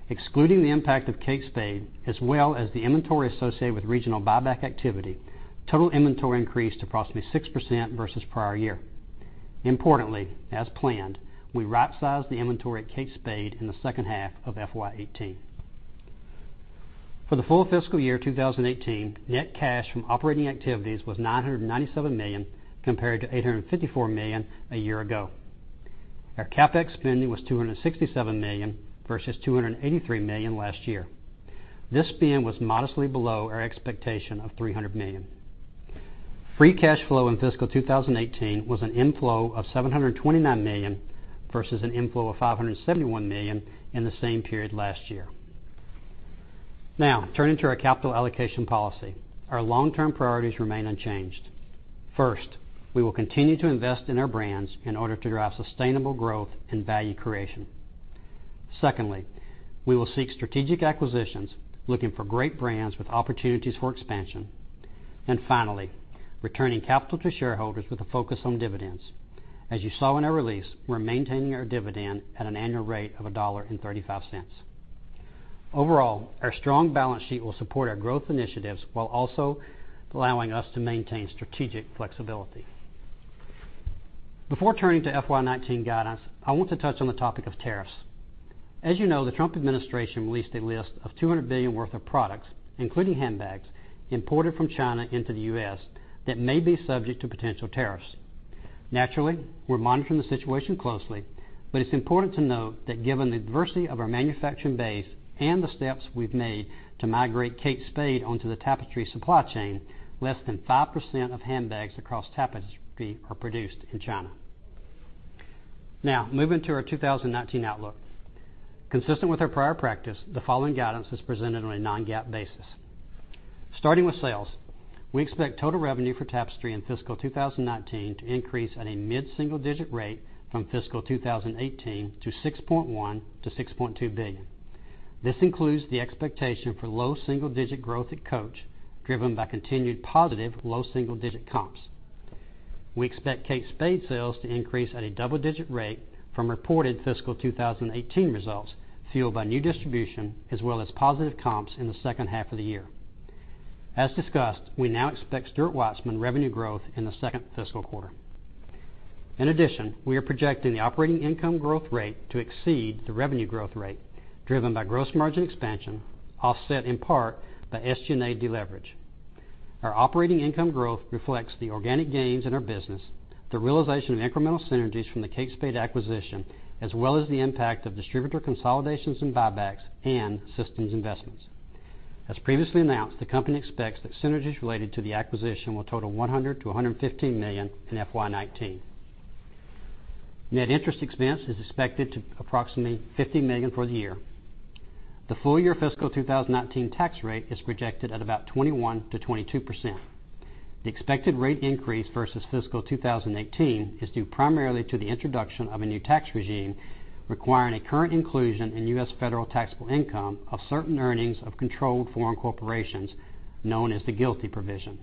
Excluding the impact of Kate Spade, as well as the inventory associated with regional buyback activity, total inventory increased approximately 6% versus prior year. Importantly, as planned, we right-sized the inventory at Kate Spade in the second half of FY 2018. For the full fiscal year 2018, net cash from operating activities was $997 million, compared to $854 million a year ago. Our CapEx spending was $267 million versus $283 million last year. This spend was modestly below our expectation of $300 million. Free cash flow in fiscal 2018 was an inflow of $729 million versus an inflow of $571 million in the same period last year. Turning to our capital allocation policy. Our long-term priorities remain unchanged. First, we will continue to invest in our brands in order to drive sustainable growth and value creation. Secondly, we will seek strategic acquisitions, looking for great brands with opportunities for expansion. Finally, returning capital to shareholders with a focus on dividends. As you saw in our release, we're maintaining our dividend at an annual rate of $1.35. Overall, our strong balance sheet will support our growth initiatives while also allowing us to maintain strategic flexibility. Before turning to FY 2019 guidance, I want to touch on the topic of tariffs. As you know, the Trump administration released a list of $200 billion worth of products, including handbags, imported from China into the U.S., that may be subject to potential tariffs. Naturally, we're monitoring the situation closely, it's important to note that given the diversity of our manufacturing base and the steps we've made to migrate Kate Spade onto the Tapestry supply chain, less than 5% of handbags across Tapestry are produced in China. Moving to our 2019 outlook. Consistent with our prior practice, the following guidance is presented on a non-GAAP basis. Starting with sales, we expect total revenue for Tapestry in fiscal 2019 to increase at a mid-single-digit rate from fiscal 2018 to $6.1 billion-$6.2 billion. This includes the expectation for low single-digit growth at Coach, driven by continued positive low single-digit comps. We expect Kate Spade sales to increase at a double-digit rate from reported fiscal 2018 results, fueled by new distribution as well as positive comps in the second half of the year. As discussed, we now expect Stuart Weitzman revenue growth in the second fiscal quarter. In addition, we are projecting the operating income growth rate to exceed the revenue growth rate, driven by gross margin expansion, offset in part by SG&A deleverage. Our operating income growth reflects the organic gains in our business, the realization of incremental synergies from the Kate Spade acquisition, as well as the impact of distributor consolidations and buybacks, and systems investments. As previously announced, the company expects that synergies related to the acquisition will total $100 million-$115 million in FY 2019. Net interest expense is expected to approximately $50 million for the year. The full year fiscal 2019 tax rate is projected at about 21%-22%. The expected rate increase versus fiscal 2018 is due primarily to the introduction of a new tax regime requiring a current inclusion in U.S. federal taxable income of certain earnings of controlled foreign corporations, known as the GILTI provision.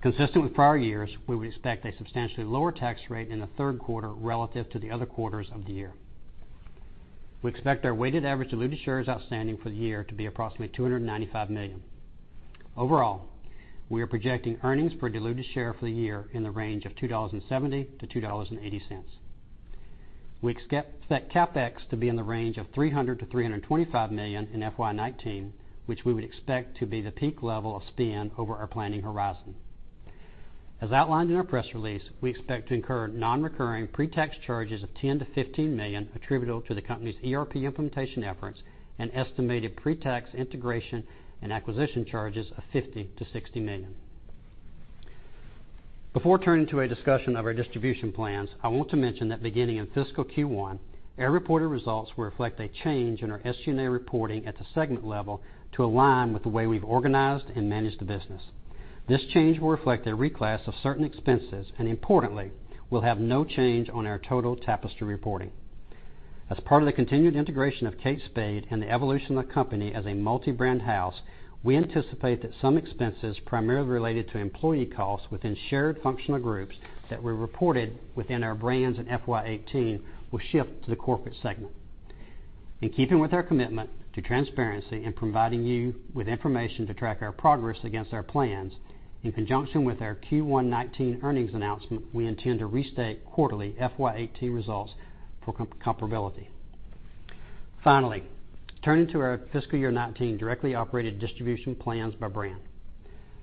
Consistent with prior years, we would expect a substantially lower tax rate in the third quarter relative to the other quarters of the year. We expect our weighted average diluted shares outstanding for the year to be approximately $295 million. Overall, we are projecting earnings per diluted share for the year in the range of $2.70 to $2.80. We expect CapEx to be in the range of $300 million-$325 million in FY 2019, which we would expect to be the peak level of spend over our planning horizon. As outlined in our press release, we expect to incur non-recurring pre-tax charges of $10 million-$15 million attributable to the company's ERP implementation efforts and estimated pre-tax integration and acquisition charges of $50 million-$60 million. Before turning to a discussion of our distribution plans, I want to mention that beginning in fiscal Q1, our reported results will reflect a change in our SG&A reporting at the segment level to align with the way we've organized and managed the business. This change will reflect a reclass of certain expenses and importantly, will have no change on our total Tapestry reporting. As part of the continued integration of Kate Spade and the evolution of the company as a multi-brand house, we anticipate that some expenses primarily related to employee costs within shared functional groups that were reported within our brands in FY 2018 will shift to the Corporate segment. In keeping with our commitment to transparency and providing you with information to track our progress against our plans, in conjunction with our Q1 2019 earnings announcement, we intend to restate quarterly FY 2018 results for comparability. Finally, turning to our fiscal year 2019 directly operated distribution plans by brand.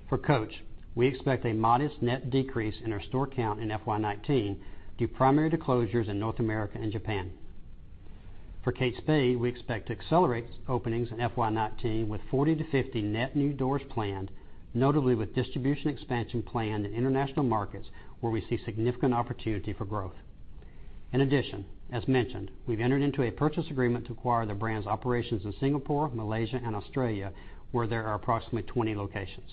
For Coach, we expect a modest net decrease in our store count in FY 2019, due primarily to closures in North America and Japan. For Kate Spade, we expect to accelerate openings in FY 2019 with 40-50 net new doors planned, notably with distribution expansion planned in international markets where we see significant opportunity for growth. In addition, as mentioned, we've entered into a purchase agreement to acquire the brand's operations in Singapore, Malaysia and Australia, where there are approximately 20 locations.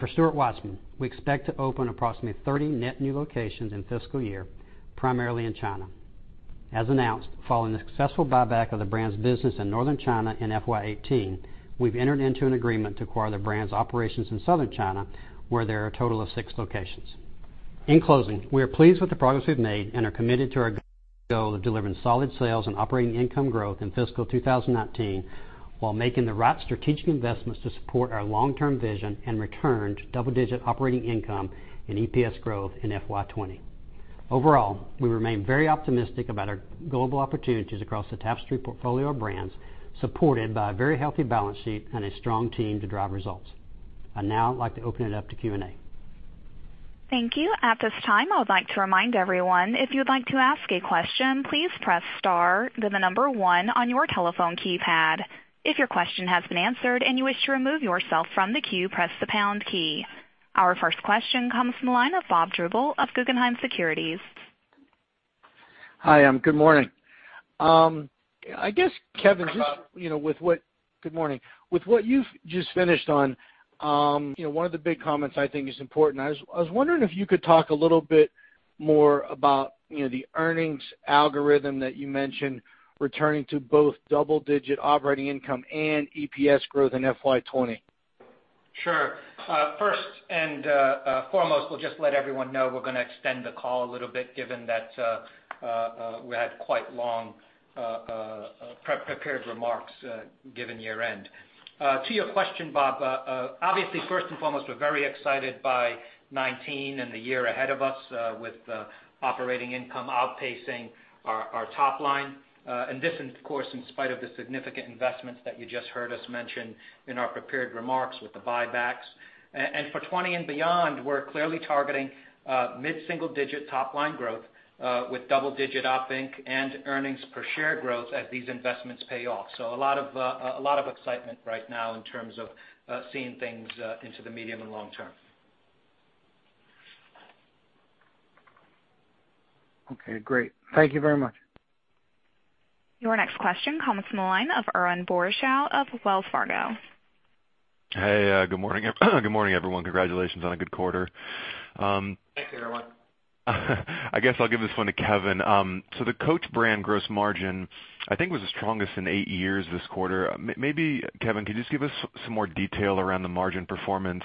For Stuart Weitzman, we expect to open approximately 30 net new locations in fiscal year, primarily in China. As announced, following the successful buyback of the brand's business in Northern China in FY 2018, we've entered into an agreement to acquire the brand's operations in Southern China, where there are a total of six locations. In closing, we are pleased with the progress we've made and are committed to our goal of delivering solid sales and operating income growth in fiscal 2019 while making the right strategic investments to support our long-term vision and return to double-digit operating income and EPS growth in FY 2020. Overall, we remain very optimistic about our global opportunities across the Tapestry portfolio of brands, supported by a very healthy balance sheet and a strong team to drive results. I'd now like to open it up to Q&A. Thank you. At this time, I would like to remind everyone, if you'd like to ask a question, please press star, then the number 1 on your telephone keypad. If your question has been answered and you wish to remove yourself from the queue, press the pound key. Our first question comes from the line of Bob Drbul of Guggenheim Securities. Hi, good morning. Kevin- Hi, Bob. Good morning. With what you've just finished on, one of the big comments I think is important. I was wondering if you could talk a little bit more about the earnings algorithm that you mentioned returning to both double-digit operating income and EPS growth in FY 2020. Sure. First and foremost, we will just let everyone know we are going to extend the call a little bit given that we had quite long prepared remarks given year-end. To your question, Bob, obviously, first and foremost, we are very excited by 2019 and the year ahead of us with operating income outpacing our top line. This, of course, in spite of the significant investments that you just heard us mention in our prepared remarks with the buybacks. For 2020 and beyond, we are clearly targeting mid-single-digit top-line growth with double-digit op inc. and earnings per share growth as these investments pay off. A lot of excitement right now in terms of seeing things into the medium and long term. Okay, great. Thank you very much. Your next question comes from the line of Irwin Boruchow of Wells Fargo. Hey, good morning, everyone. Congratulations on a good quarter. Thanks, Irwin. I guess I'll give this one to Kevin. The Coach brand gross margin, I think, was the strongest in eight years this quarter. Maybe, Kevin, could you just give us some more detail around the margin performance?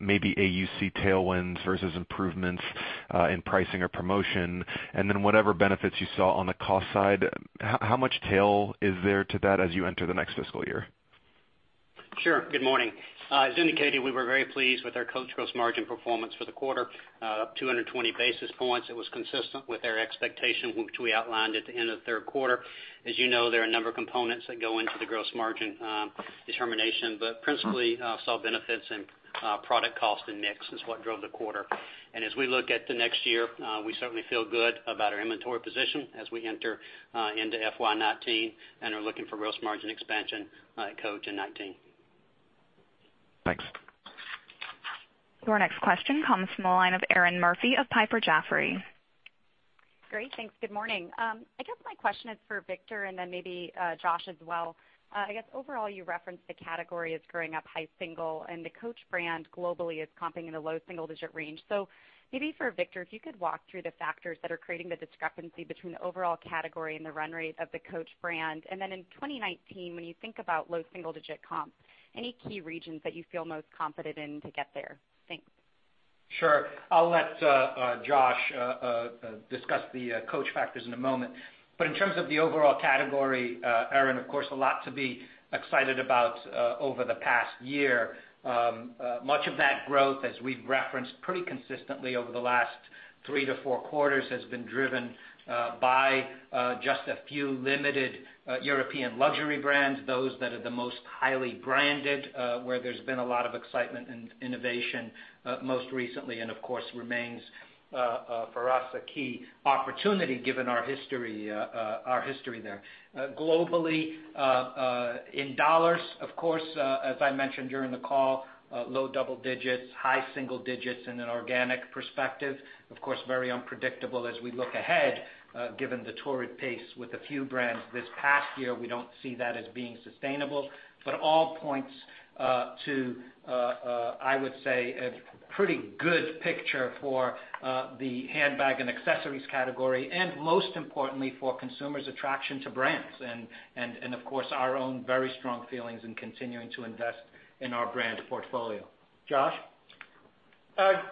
Maybe AUC tailwinds versus improvements in pricing or promotion, and then whatever benefits you saw on the cost side, how much tail is there to that as you enter the next fiscal year? Sure. Good morning. As indicated, we were very pleased with our Coach gross margin performance for the quarter. Up 220 basis points. It was consistent with our expectation, which we outlined at the end of the third quarter. As you know, there are a number of components that go into the gross margin determination. Principally, saw benefits in product cost and mix is what drove the quarter. As we look at the next year, we certainly feel good about our inventory position as we enter into FY 2019 and are looking for gross margin expansion at Coach in 2019. Thanks. Your next question comes from the line of Erinn Murphy of Piper Jaffray. Great. Thanks. Good morning. I guess my question is for Victor and then maybe Josh as well. I guess overall, you referenced the category as growing up high single, and the Coach brand globally is comping in the low single-digit range. Maybe for Victor, if you could walk through the factors that are creating the discrepancy between the overall category and the run rate of the Coach brand. In 2019, when you think about low single-digit comp, any key regions that you feel most confident in to get there? Thanks. Sure. I'll let Josh discuss the Coach factors in a moment. In terms of the overall category, Erinn, of course, a lot to be excited about over the past year. Much of that growth, as we've referenced pretty consistently over the last three to four quarters, has been driven by just a few limited European luxury brands, those that are the most highly branded where there's been a lot of excitement and innovation most recently, and of course, remains for us, a key opportunity given our history there. Globally, in dollars, of course, as I mentioned during the call, low double digits, high single digits in an organic perspective. Of course, very unpredictable as we look ahead given the torrid pace with a few brands this past year. We don't see that as being sustainable. All points to, I would say, a pretty good picture for the handbag and accessories category, and most importantly, for consumers' attraction to brands. Of course, our own very strong feelings in continuing to invest in our brand portfolio. Josh?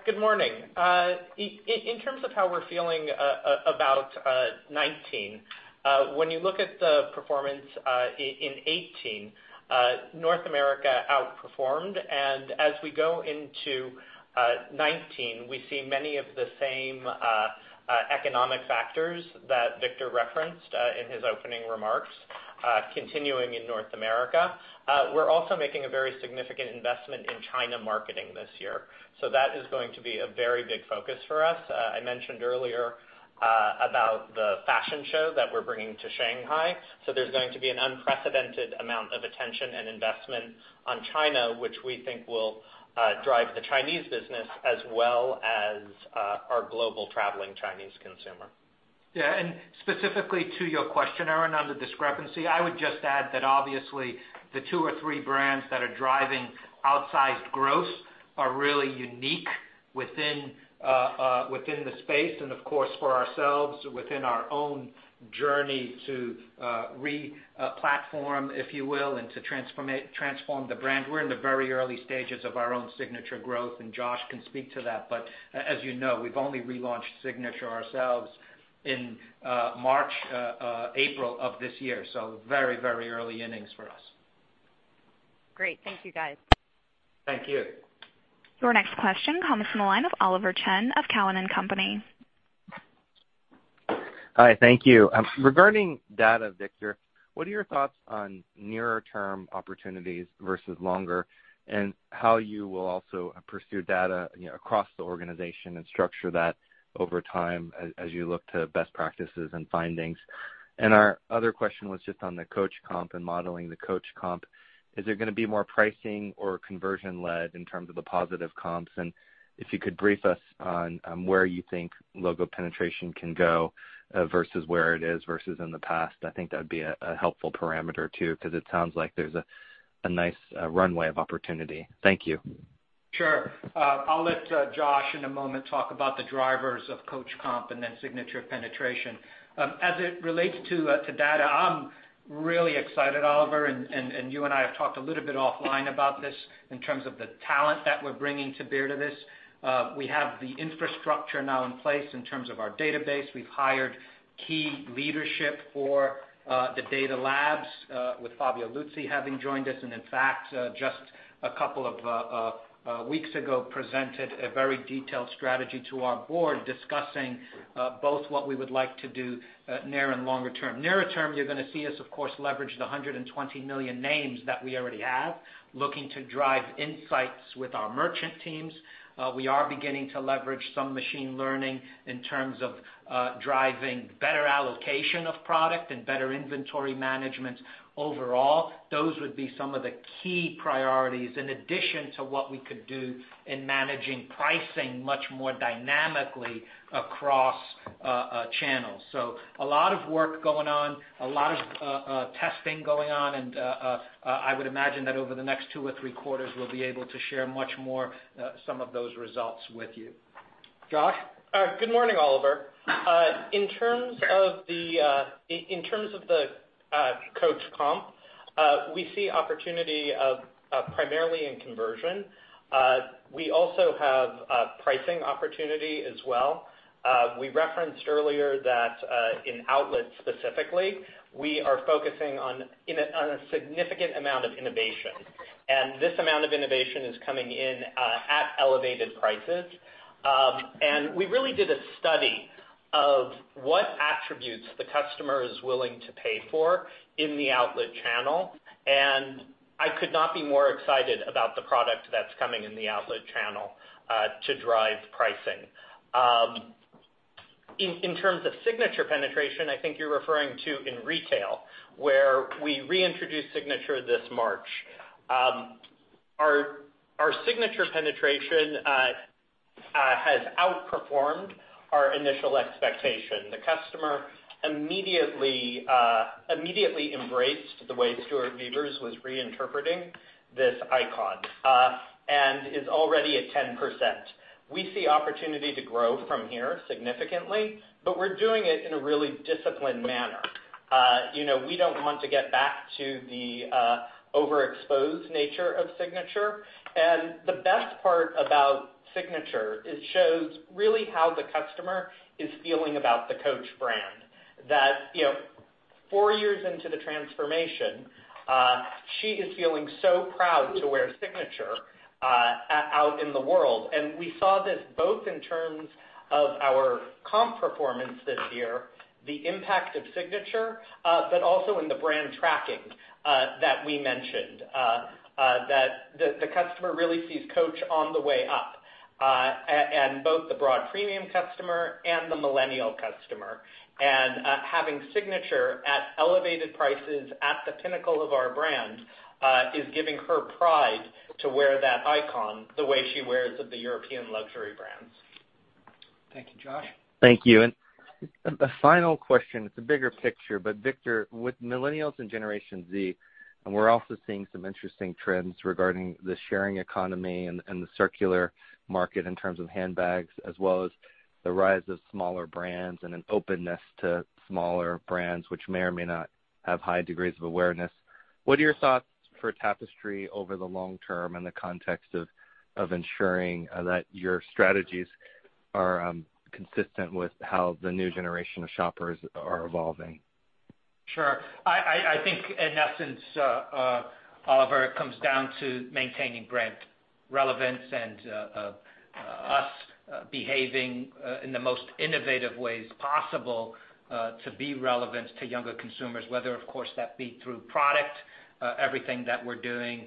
Good morning. In terms of how we're feeling about 2019, when you look at the performance in 2018, North America outperformed. As we go into 2019, we see many of the same economic factors that Victor referenced in his opening remarks continuing in North America. We're also making a very significant investment in China marketing this year. That is going to be a very big focus for us. I mentioned earlier about the fashion show that we're bringing to Shanghai. There's going to be an unprecedented amount of attention and investment on China, which we think will drive the Chinese business as well as our global traveling Chinese consumer. Yeah, specifically to your question, Erinn, on the discrepancy, I would just add that obviously the two or three brands that are driving outsized growth are really unique within the space and of course, for ourselves, within our own journey to re-platform, if you will, and to transform the brand. We're in the very early stages of our own Signature growth, and Josh can speak to that. As you know, we've only relaunched Signature ourselves in March, April of this year. Very early innings for us. Great. Thank you, guys. Thank you. Your next question comes from the line of Oliver Chen of Cowen and Company. Hi, thank you. Regarding data, Victor, what are your thoughts on nearer term opportunities versus longer, and how you will also pursue data across the organization and structure that over time as you look to best practices and findings? Our other question was just on the Coach comp and modeling the Coach comp. Is there going to be more pricing or conversion-led in terms of the positive comps? If you could brief us on where you think logo penetration can go versus where it is versus in the past, I think that would be a helpful parameter too, because it sounds like there's a nice runway of opportunity. Thank you. Sure. I'll let Josh in a moment talk about the drivers of Coach comp and then Signature penetration. As it relates to data, I'm really excited, Oliver, you and I have talked a little bit offline about this in terms of the talent that we're bringing to bear to this. We have the infrastructure now in place in terms of our database. We've hired key leadership for the data labs with Fabio Luzzi having joined us. In fact, just a couple of weeks ago presented a very detailed strategy to our board discussing both what we would like to do near and longer term. Near term, you're going to see us, of course, leverage the 120 million names that we already have, looking to drive insights with our merchant teams. We are beginning to leverage some machine learning in terms of driving better allocation of product and better inventory management overall. Those would be some of the key priorities in addition to what we could do in managing pricing much more dynamically across channels. A lot of work going on, a lot of testing going on, I would imagine that over the next 2 or 3 quarters, we'll be able to share much more some of those results with you. Josh? Good morning, Oliver. In terms of the Coach comp, we see opportunity primarily in conversion. We also have a pricing opportunity as well. We referenced earlier that in outlet specifically, we are focusing on a significant amount of innovation, this amount of innovation is coming in at elevated prices. We really did a study of what attributes the customer is willing to pay for in the outlet channel, I could not be more excited about the product that's coming in the outlet channel to drive pricing. In terms of Signature penetration, I think you're referring to in retail, where we reintroduced Signature this March. Our Signature penetration has outperformed our initial expectation. The customer immediately embraced the way Stuart Vevers was reinterpreting this icon, is already at 10%. We see opportunity to grow from here significantly, but we're doing it in a really disciplined manner. We don't want to get back to the overexposed nature of Signature. The best part about Signature, it shows really how the customer is feeling about the Coach brand, that four years into the transformation, she is feeling so proud to wear Signature out in the world. We saw this both in terms of our comp performance this year, the impact of Signature, but also in the brand tracking that we mentioned, that the customer really sees Coach on the way up, and both the broad premium customer and the millennial customer. Having Signature at elevated prices at the pinnacle of our brand is giving her pride to wear that icon the way she wears the European luxury brands. Thank you, Josh. Thank you. A final question. It's a bigger picture, but Victor, with millennials and Generation Z, and we're also seeing some interesting trends regarding the sharing economy and the circular market in terms of handbags, as well as the rise of smaller brands and an openness to smaller brands, which may or may not have high degrees of awareness. What are your thoughts for Tapestry over the long term in the context of ensuring that your strategies are consistent with how the new generation of shoppers are evolving? Sure. I think in essence, Oliver, it comes down to maintaining brand relevance and us behaving in the most innovative ways possible to be relevant to younger consumers, whether, of course, that be through product, everything that we're doing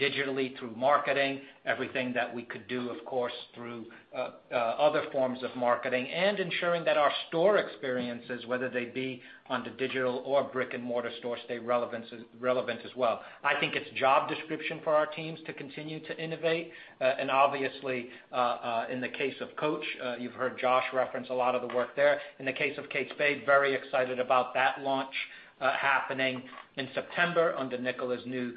digitally through marketing, everything that we could do, of course, through other forms of marketing. Ensuring that our store experiences, whether they be on the digital or brick-and-mortar stores, stay relevant as well. I think it's job description for our teams to continue to innovate. Obviously, in the case of Coach, you've heard Josh reference a lot of the work there. In the case of Kate Spade, very excited about that launch happening in September under Nicola's new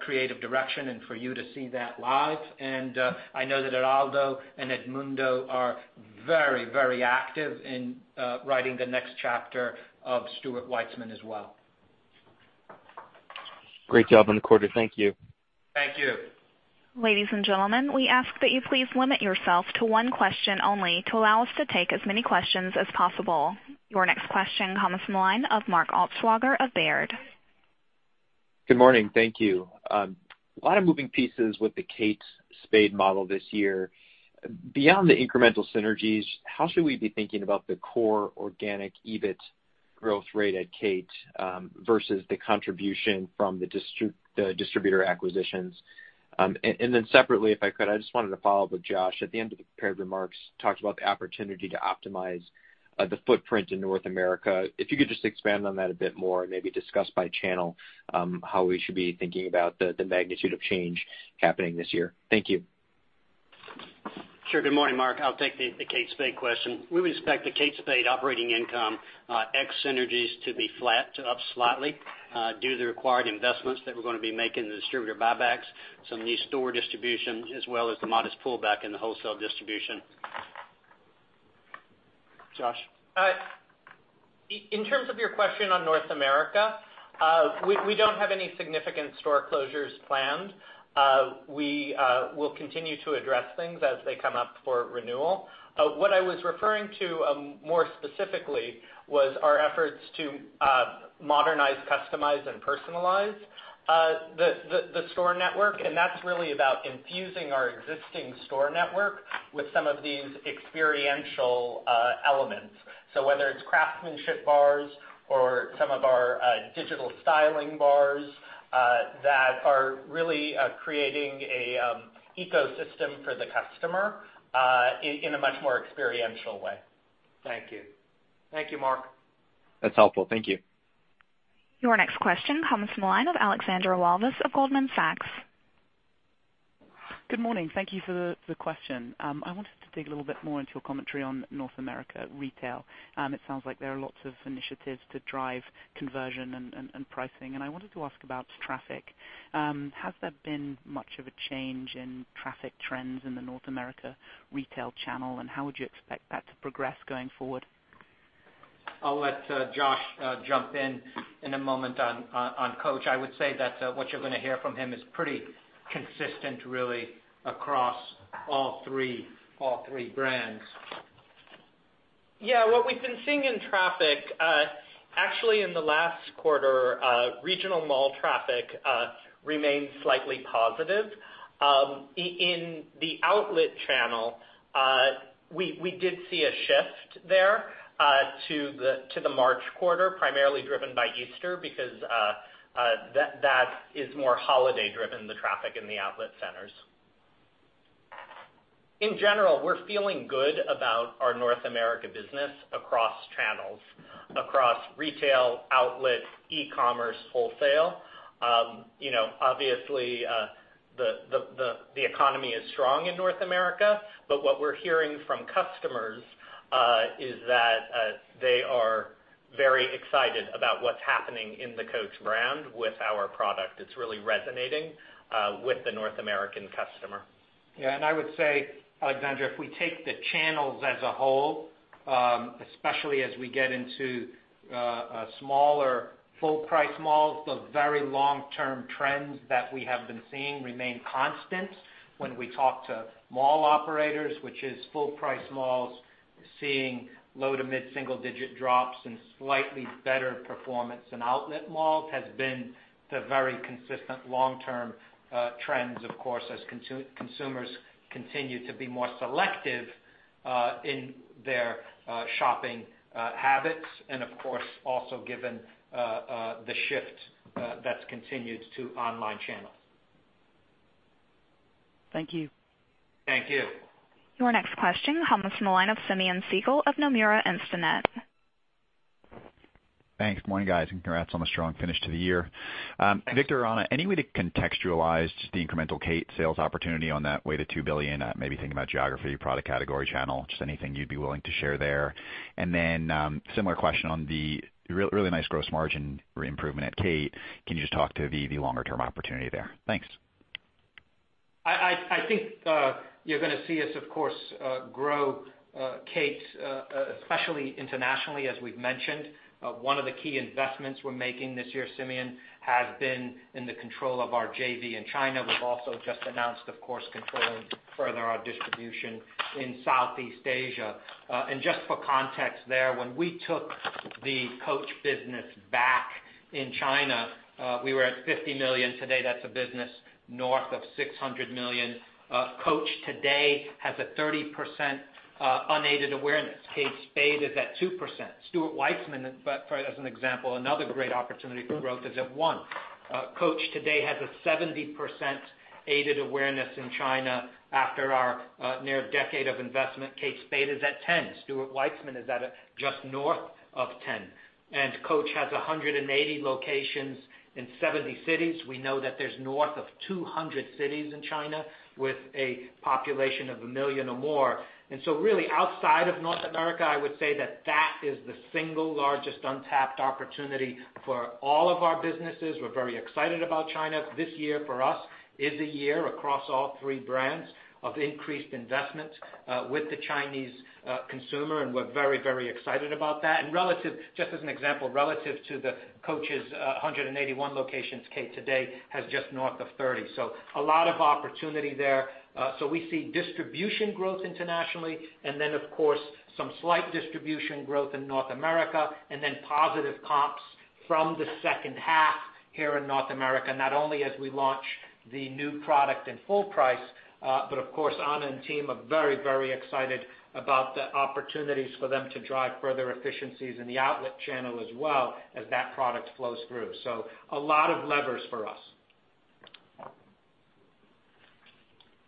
creative direction, and for you to see that live. I know that Eraldo and Edmundo are very active in writing the next chapter of Stuart Weitzman as well. Great job on the quarter. Thank you. Thank you. Ladies and gentlemen, we ask that you please limit yourself to one question only to allow us to take as many questions as possible. Your next question comes from the line of Mark Altschwager of Baird. Good morning. Thank you. A lot of moving pieces with the Kate Spade model this year. Beyond the incremental synergies, how should we be thinking about the core organic EBIT growth rate at Kate, versus the contribution from the distributor acquisitions? Separately, if I could, I just wanted to follow up with Josh. At the end of the prepared remarks, talked about the opportunity to optimize the footprint in North America. If you could just expand on that a bit more and maybe discuss by channel how we should be thinking about the magnitude of change happening this year. Thank you. Sure. Good morning, Mark. I'll take the Kate Spade question. We would expect the Kate Spade operating income, ex synergies, to be flat to up slightly due to the required investments that we're going to be making in the distributor buybacks, some new store distribution, as well as the modest pullback in the wholesale distribution. Josh. In terms of your question on North America, we don't have any significant store closures planned. We will continue to address things as they come up for renewal. What I was referring to more specifically was our efforts to modernize, customize, and personalize the store network. That's really about infusing our existing store network with some of these experiential elements. Whether it's craftsmanship bars or some of our digital styling bars that are really creating an ecosystem for the customer in a much more experiential way. Thank you. Thank you, Mark. That's helpful. Thank you. Your next question comes from the line of Alexandra Walvis of Goldman Sachs. Good morning. Thank you for the question. I wanted to dig a little bit more into your commentary on North America retail. It sounds like there are lots of initiatives to drive conversion and pricing, and I wanted to ask about traffic. Has there been much of a change in traffic trends in the North America retail channel, and how would you expect that to progress going forward? I'll let Josh jump in in a moment on Coach. I would say that what you're going to hear from him is pretty consistent, really, across all three brands. Yeah. What we've been seeing in traffic, actually in the last quarter, regional mall traffic remained slightly positive. In the outlet channel, we did see a shift there to the March quarter, primarily driven by Easter, because that is more holiday driven, the traffic in the outlet centers. In general, we're feeling good about our North America business across channels. Across retail, outlets, e-commerce, wholesale. Obviously, the economy is strong in North America, but what we're hearing from customers is that they are very excited about what's happening in the Coach brand with our product. It's really resonating with the North American customer. Yeah. I would say, Alexandra, if we take the channels as a whole, especially as we get into smaller full-price malls, the very long-term trends that we have been seeing remain constant. When we talk to mall operators, which is full-price malls, seeing low to mid single-digit drops and slightly better performance in outlet malls has been the very consistent long-term trends, of course, as consumers continue to be more selective in their shopping habits. Of course, also given the shift that's continued to online channels. Thank you. Thank you. Your next question comes from the line of Simeon Siegel of Nomura Instinet. Thanks. Good morning, guys. Congrats on the strong finish to the year. Victor or Anna, any way to contextualize just the incremental Kate sales opportunity on that way to $2 billion? Maybe thinking about geography, product category channel, just anything you'd be willing to share there. Similar question on the really nice gross margin improvement at Kate. Can you just talk to the longer-term opportunity there? Thanks. I think you're going to see us, of course, grow Kate, especially internationally, as we've mentioned. One of the key investments we're making this year, Simeon, has been in the control of our JV in China. We've also just announced, of course, controlling further our distribution in Southeast Asia. Just for context there, when we took the Coach business back in China, we were at $50 million. Today, that's a business north of $600 million. Coach today has a 30% unaided awareness. Kate Spade is at 2%. Stuart Weitzman, as an example, another great opportunity for growth, is at 1%. Coach today has a 70% aided awareness in China after our near decade of investment. Kate Spade is at 10%. Stuart Weitzman is at just north of 10%. Coach has 180 locations in 70 cities. We know that there's north of 200 cities in China with a population of a million or more. Really outside of North America, I would say that that is the single largest untapped opportunity for all of our businesses. We're very excited about China. This year for us is a year across all three brands of increased investment with the Chinese consumer, and we're very excited about that. Just as an example, relative to the Coach's 181 locations, Kate today has just north of 30. A lot of opportunity there. We see distribution growth internationally, and then of course, some slight distribution growth in North America, and then positive comps from the second half here in North America, not only as we launch the new product in full price, but of course, Anna and team are very excited about the opportunities for them to drive further efficiencies in the outlet channel as well as that product flows through. A lot of levers for us.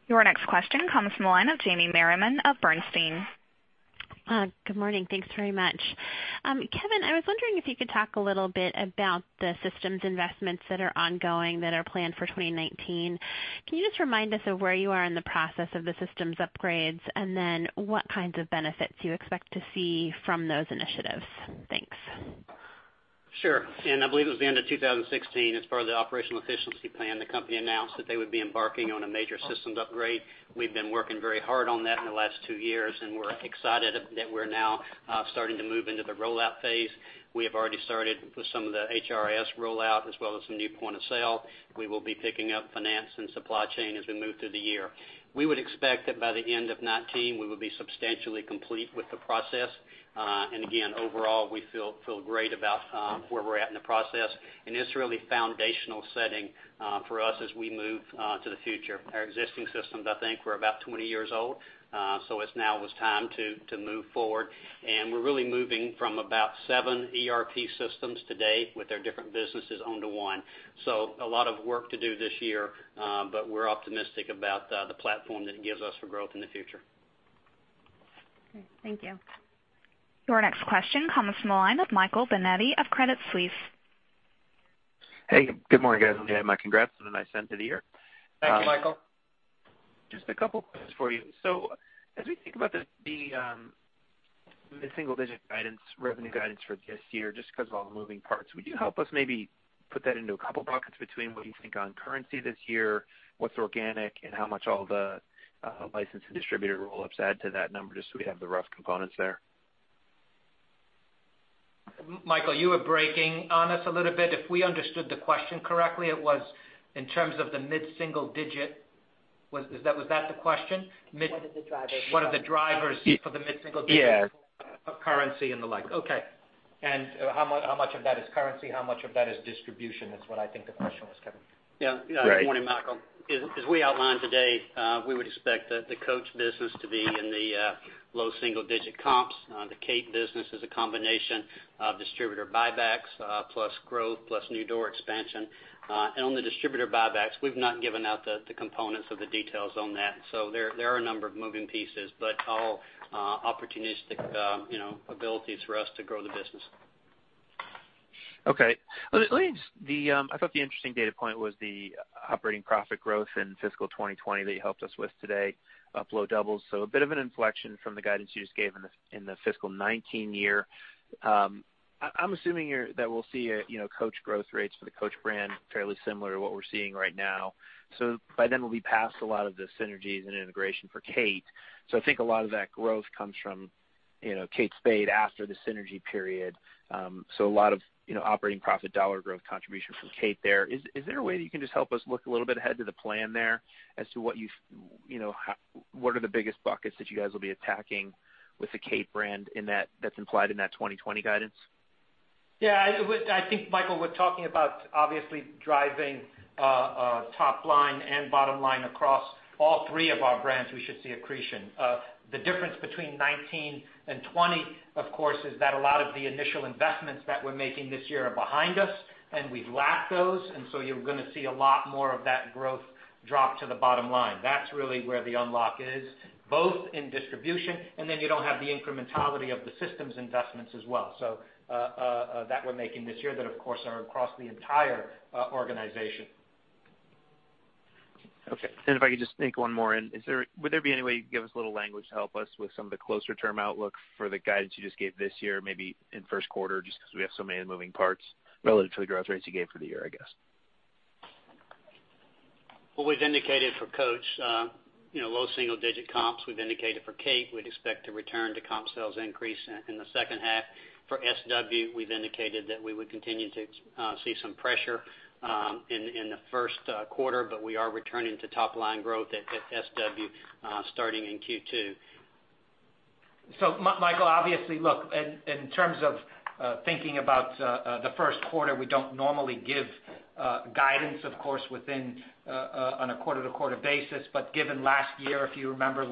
Your next question comes from the line of Jamie Merriman of Bernstein. Good morning. Thanks very much. Kevin, I was wondering if you could talk a little bit about the systems investments that are ongoing that are planned for 2019. Can you just remind us of where you are in the process of the systems upgrades? What kinds of benefits you expect to see from those initiatives? Thanks. Sure. I believe it was the end of 2016, as part of the operational efficiency plan, the company announced that they would be embarking on a major systems upgrade. We've been working very hard on that in the last two years, and we're excited that we're now starting to move into the rollout phase. We have already started with some of the HRIS rollout as well as some new point of sale. We will be picking up finance and supply chain as we move through the year. We would expect that by the end of 2019, we will be substantially complete with the process. Overall, we feel great about where we're at in the process, and it's really foundational setting for us as we move to the future. Our existing systems, I think, were about 20 years old. It's now was time to move forward. We're really moving from about seven ERP systems today with their different businesses owned to one. A lot of work to do this year. We're optimistic about the platform that it gives us for growth in the future. Okay. Thank you. Your next question comes from the line of Michael Binetti of Credit Suisse. Hey, good morning, guys. My congrats on a nice end to the year. Thank you, Michael. Just a couple questions for you. As we think about the mid-single-digit revenue guidance for this year, just because of all the moving parts, would you help us maybe put that into a couple buckets between what you think on currency this year, what's organic, and how much all the license and distributor roll-ups add to that number, just so we have the rough components there? Michael, you were breaking on us a little bit. If we understood the question correctly, it was in terms of the mid-single digit. Was that the question? What are the drivers for- What are the drivers for the mid-single digit- Yes of currency and the like. Okay. How much of that is currency, how much of that is distribution is what I think the question was, Kevin. Yeah. Good morning, Michael. As we outlined today, we would expect the Coach business to be in the low single-digit comps. The Kate business is a combination of distributor buybacks, plus growth, plus new door expansion. On the distributor buybacks, we've not given out the components of the details on that. There are a number of moving pieces, but all opportunistic abilities for us to grow the business. Okay. I thought the interesting data point was the operating profit growth in fiscal 2020 that you helped us with today, up low doubles. A bit of an inflection from the guidance you just gave in the fiscal 2019 year. I'm assuming that we'll see Coach growth rates for the Coach brand fairly similar to what we're seeing right now. By then, we'll be past a lot of the synergies and integration for Kate. I think a lot of that growth comes from Kate Spade after the synergy period. A lot of operating profit dollar growth contribution from Kate there. Is there a way that you can just help us look a little bit ahead to the plan there as to what are the biggest buckets that you guys will be attacking with the Kate brand that's implied in that 2020 guidance? Yeah. I think Michael, we're talking about obviously driving top line and bottom line across all three of our brands, we should see accretion. The difference between 2019 and 2020, of course, is that a lot of the initial investments that we're making this year are behind us, and we've lapped those. You're going to see a lot more of that growth drop to the bottom line. That's really where the unlock is, both in distribution, and then you don't have the incrementality of the systems investments as well. So that we're making this year, that of course, are across the entire organization. Okay. If I could just sneak one more in. Would there be any way you could give us a little language to help us with some of the closer term outlook for the guidance you just gave this year, maybe in first quarter, just because we have so many moving parts relative to the growth rates you gave for the year, I guess? Well, we've indicated for Coach low single-digit comps. We've indicated for Kate, we'd expect to return to comp sales increase in the second half. For SW, we've indicated that we would continue to see some pressure in the first quarter, but we are returning to top-line growth at SW starting in Q2. Michael, obviously, look, in terms of thinking about the first quarter, we don't normally give guidance, of course, on a quarter-to-quarter basis, but given last year, if you remember,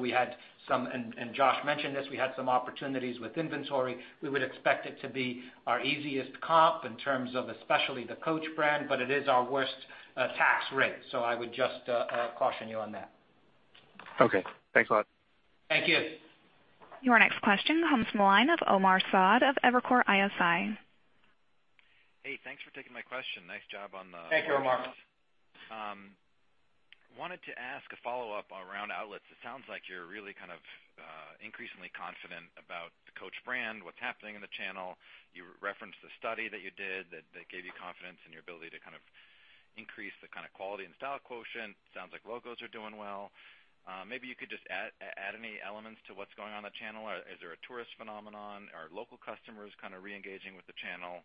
and Josh mentioned this, we had some opportunities with inventory. We would expect it to be our easiest comp in terms of especially the Coach brand, but it is our worst tax rate, I would just caution you on that. Okay. Thanks a lot. Thank you. Your next question comes from the line of Omar Saad of Evercore ISI. Hey, thanks for taking my question. Nice job on the. Thank you, Omar. Wanted to ask a follow-up around outlets. It sounds like you're really kind of increasingly confident about the Coach brand, what's happening in the channel. You referenced the study that you did that gave you confidence in your ability to increase the kind of quality and style quotient. Sounds like logos are doing well. Maybe you could just add any elements to what's going on in the channel. Is there a tourist phenomenon? Are local customers kind of re-engaging with the channel?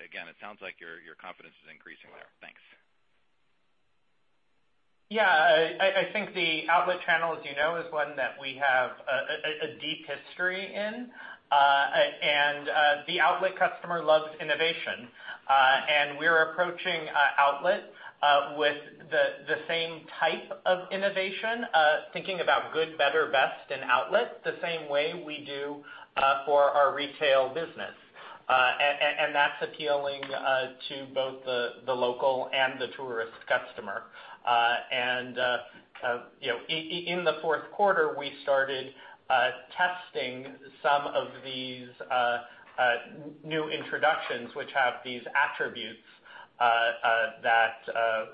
Again, it sounds like your confidence is increasing there. Thanks. Yeah. I think the outlet channel, as you know, is one that we have a deep history in. The outlet customer loves innovation. We're approaching outlet with the same type of innovation, thinking about good, better, best in outlet, the same way we do for our retail business. That's appealing to both the local and the tourist customer. In the fourth quarter, we started testing some of these new introductions which have these attributes that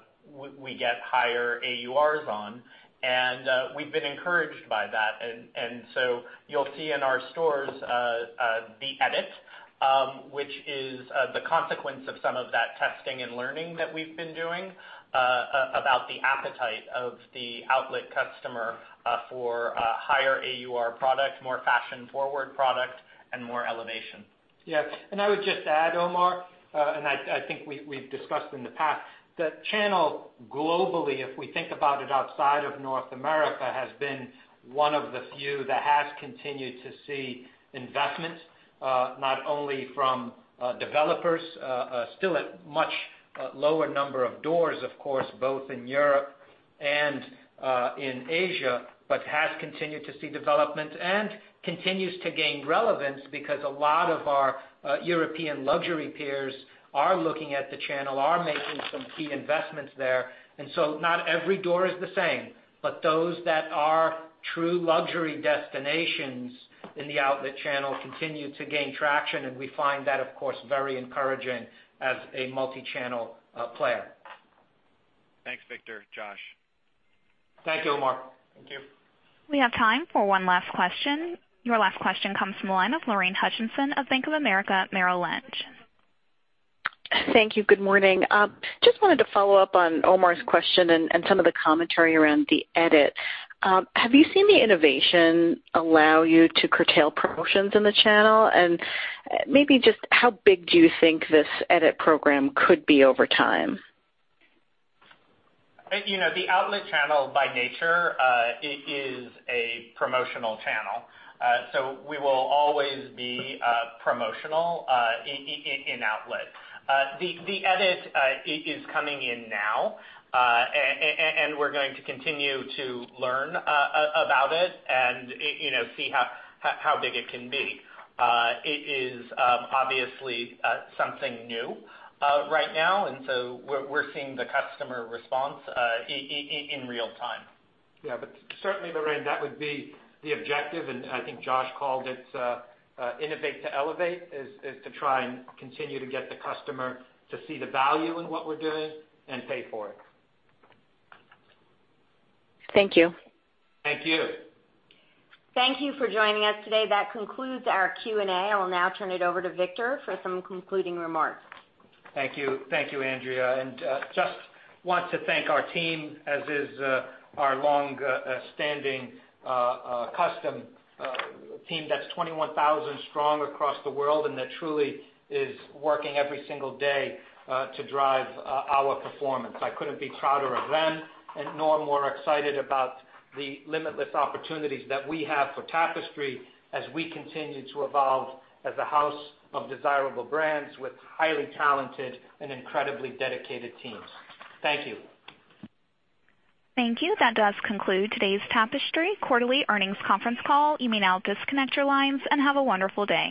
we get higher AURs on, and we've been encouraged by that. So you'll see in our stores The Edit, which is the consequence of some of that testing and learning that we've been doing about the appetite of the outlet customer for higher AUR product, more fashion-forward product, and more elevation. Yeah. I would just add, Omar, and I think we've discussed in the past, the channel globally, if we think about it outside of North America, has been one of the few that has continued to see investment, not only from developers, still at much lower number of doors, of course, both in Europe and in Asia, but has continued to see development and continues to gain relevance because a lot of our European luxury peers are looking at the channel, are making some key investments there. Not every door is the same, but those that are true luxury destinations in the outlet channel continue to gain traction, and we find that, of course, very encouraging as a multi-channel player. Thanks, Victor, Josh. Thank you, Omar. Thank you. We have time for one last question. Your last question comes from the line of Lorraine Hutchinson of Bank of America Merrill Lynch. Thank you. Good morning. Just wanted to follow up on Omar's question and some of the commentary around The Edit. Have you seen the innovation allow you to curtail promotions in the channel? Maybe just how big do you think this Edit program could be over time? The outlet channel by nature is a promotional channel. We will always be promotional in outlet. The Edit is coming in now. We're going to continue to learn about it and see how big it can be. It is obviously something new right now. We're seeing the customer response in real time. Yeah. Certainly, Lorraine, that would be the objective. I think Josh called it innovate to elevate, is to try to continue to get the customer to see the value in what we're doing and pay for it. Thank you. Thank you. Thank you for joining us today. That concludes our Q&A. I will now turn it over to Victor for some concluding remarks. Thank you. Thank you, Andrea. Just want to thank our team, as is our longstanding custom. A team that's 21,000 strong across the world, and that truly is working every single day to drive our performance. I couldn't be prouder of them and nor more excited about the limitless opportunities that we have for Tapestry as we continue to evolve as a house of desirable brands with highly talented and incredibly dedicated teams. Thank you. Thank you. That does conclude today's Tapestry quarterly earnings conference call. You may now disconnect your lines and have a wonderful day.